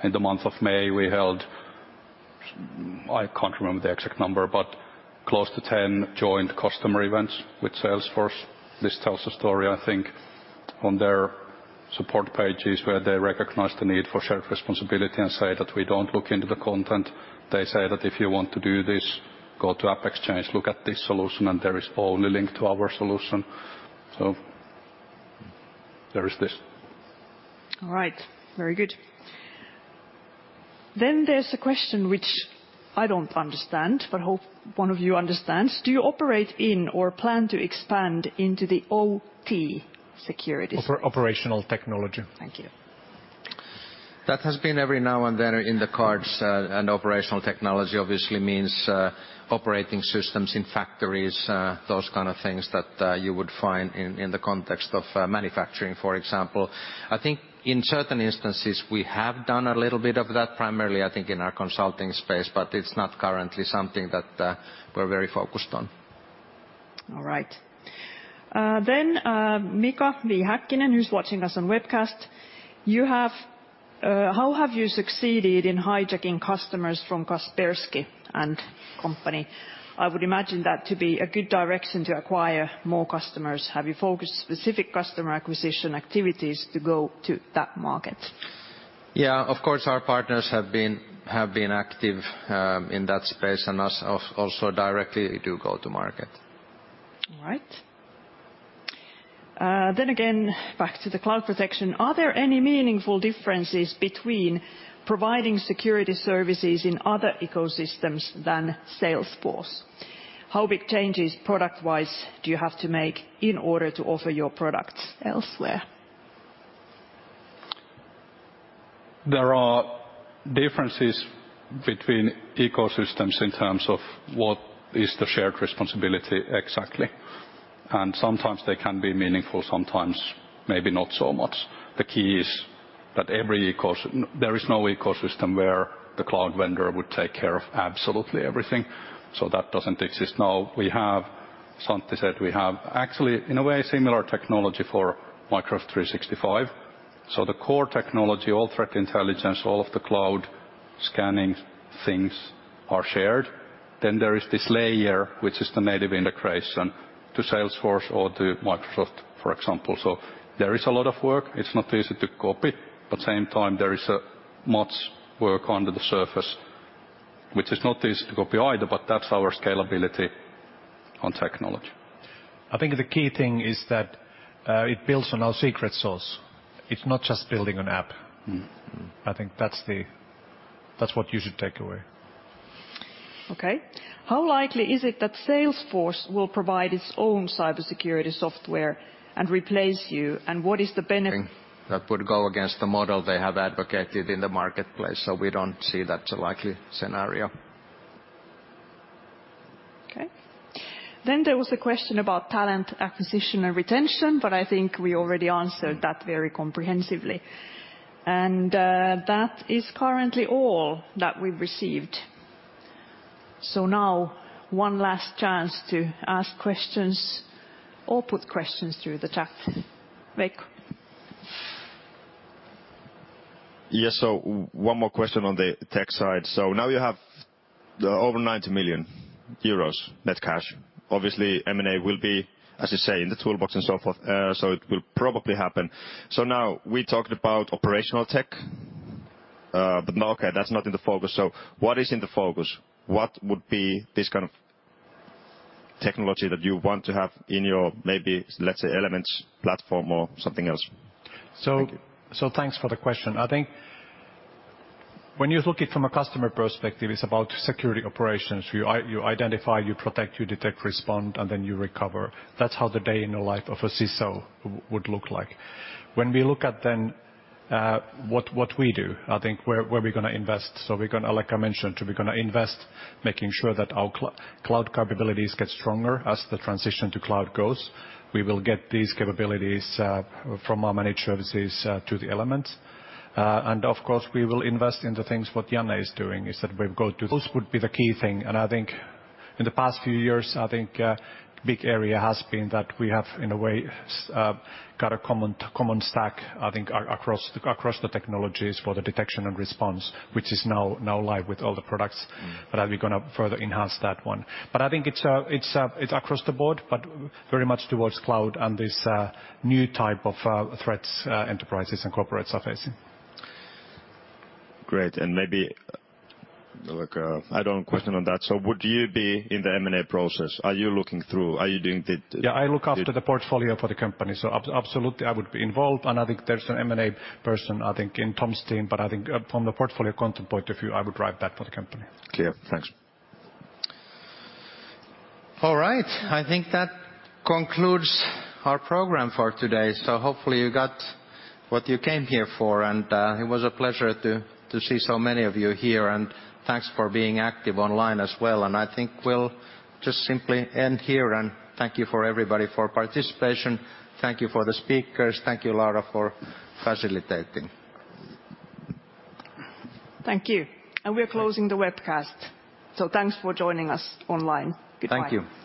In the month of May, we held, I can't remember the exact number, but close to 10 joint customer events with Salesforce. This tells a story, I think, on their support pages where they recognize the need for shared responsibility and say that we don't look into the content. They say that if you want to do this, go to AppExchange, look at this solution, and there is only link to our solution. There is this. All right. Very good. There's a question which I don't understand, but hope one of you understands. Do you operate in or plan to expand into the OT security? Operational technology. Thank you. That has been every now and then in the cards, and operational technology obviously means operating systems in factories, those kind of things that you would find in the context of manufacturing, for example. I think in certain instances we have done a little bit of that, primarily, I think, in our consulting space, but it's not currently something that we're very focused on. All right. Mika V. Häkkinen, who's watching us on webcast: "How have you succeeded in hijacking customers from Kaspersky and company? I would imagine that to be a good direction to acquire more customers. Have you focused specific customer acquisition activities to go to that market? Yeah, of course, our partners have been active in that space, and we also directly do go to market. All right. Then again, back to the cloud protection. Are there any meaningful differences between providing security services in other ecosystems than Salesforce? How big changes product-wise do you have to make in order to offer your products elsewhere? There are differences between ecosystems in terms of what is the shared responsibility exactly, and sometimes they can be meaningful, sometimes maybe not so much. The key is that there is no ecosystem where the cloud vendor would take care of absolutely everything, so that doesn't exist. Now, Santtu said we have actually, in a way, similar technology for Microsoft 365. So the core technology, all threat intelligence, all of the cloud scanning things are shared. Then there is this layer which is the native integration to Salesforce or to Microsoft, for example. So there is a lot of work. It's not easy to copy, but at the same time, there is much work under the surface, which is not easy to copy either, but that's our scalability on technology. I think the key thing is that, it builds on our secret sauce. It's not just building an app. Mm-hmm. That's what you should take away. Okay. How likely is it that Salesforce will provide its own cybersecurity software and replace you, and what is the bene- That would go against the model they have advocated in the marketplace, so we don't see that's a likely scenario. Okay. There was a question about talent acquisition and retention, but I think we already answered that very comprehensively. that is currently all that we've received. now one last chance to ask questions or put questions through the chat. Veikko. Yes, one more question on the tech side. Now you have over 90 million euros net cash. Obviously, M&A will be, as you say, in the toolbox and so forth, it will probably happen. Now we talked about operational tech. No, okay, that's not in the focus. What is in the focus? What would be this kind of technology that you want to have in your maybe, let's say, Elements platform, or something else? Thank you. Thanks for the question. I think when you look at it from a customer perspective, it's about security operations. You identify, you protect, you detect, respond, and then you recover. That's how the day in the life of a CISO would look like. When we look at it then, what we do, I think where we're gonna invest. Like I mentioned, we're gonna invest in making sure that our cloud capabilities get stronger as the transition to cloud goes. We will get these capabilities from our managed services to the Elements. Of course, we will invest in the things that Janne is doing, that is we go to. Those would be the key thing. I think in the past few years, I think, big area has been that we have, in a way, got a common stack, I think, across the technologies for the detection and response, which is now live with all the products. Mm-hmm. Are we gonna further enhance that one. I think it's across the board, but very much towards cloud and this new type of threats enterprises and corporates are facing. Great. Maybe, like, I have no question on that. Would you be in the M&A process? Are you looking through? Are you doing the? Yeah, I look after the portfolio for the company. Absolutely, I would be involved. I think there's an M&A person, I think, in Tom's team, but I think, from the portfolio content point of view, I would drive that for the company. Clear. Thanks. All right. I think that concludes our program for today. Hopefully you got what you came here for, and it was a pleasure to see so many of you here, and thanks for being active online as well. I think we'll just simply end here, and thank you for everybody for participation. Thank you for the speakers. Thank you, Laura, for facilitating. Thank you. We're closing the webcast. Thanks for joining us online. Goodbye. Thank you.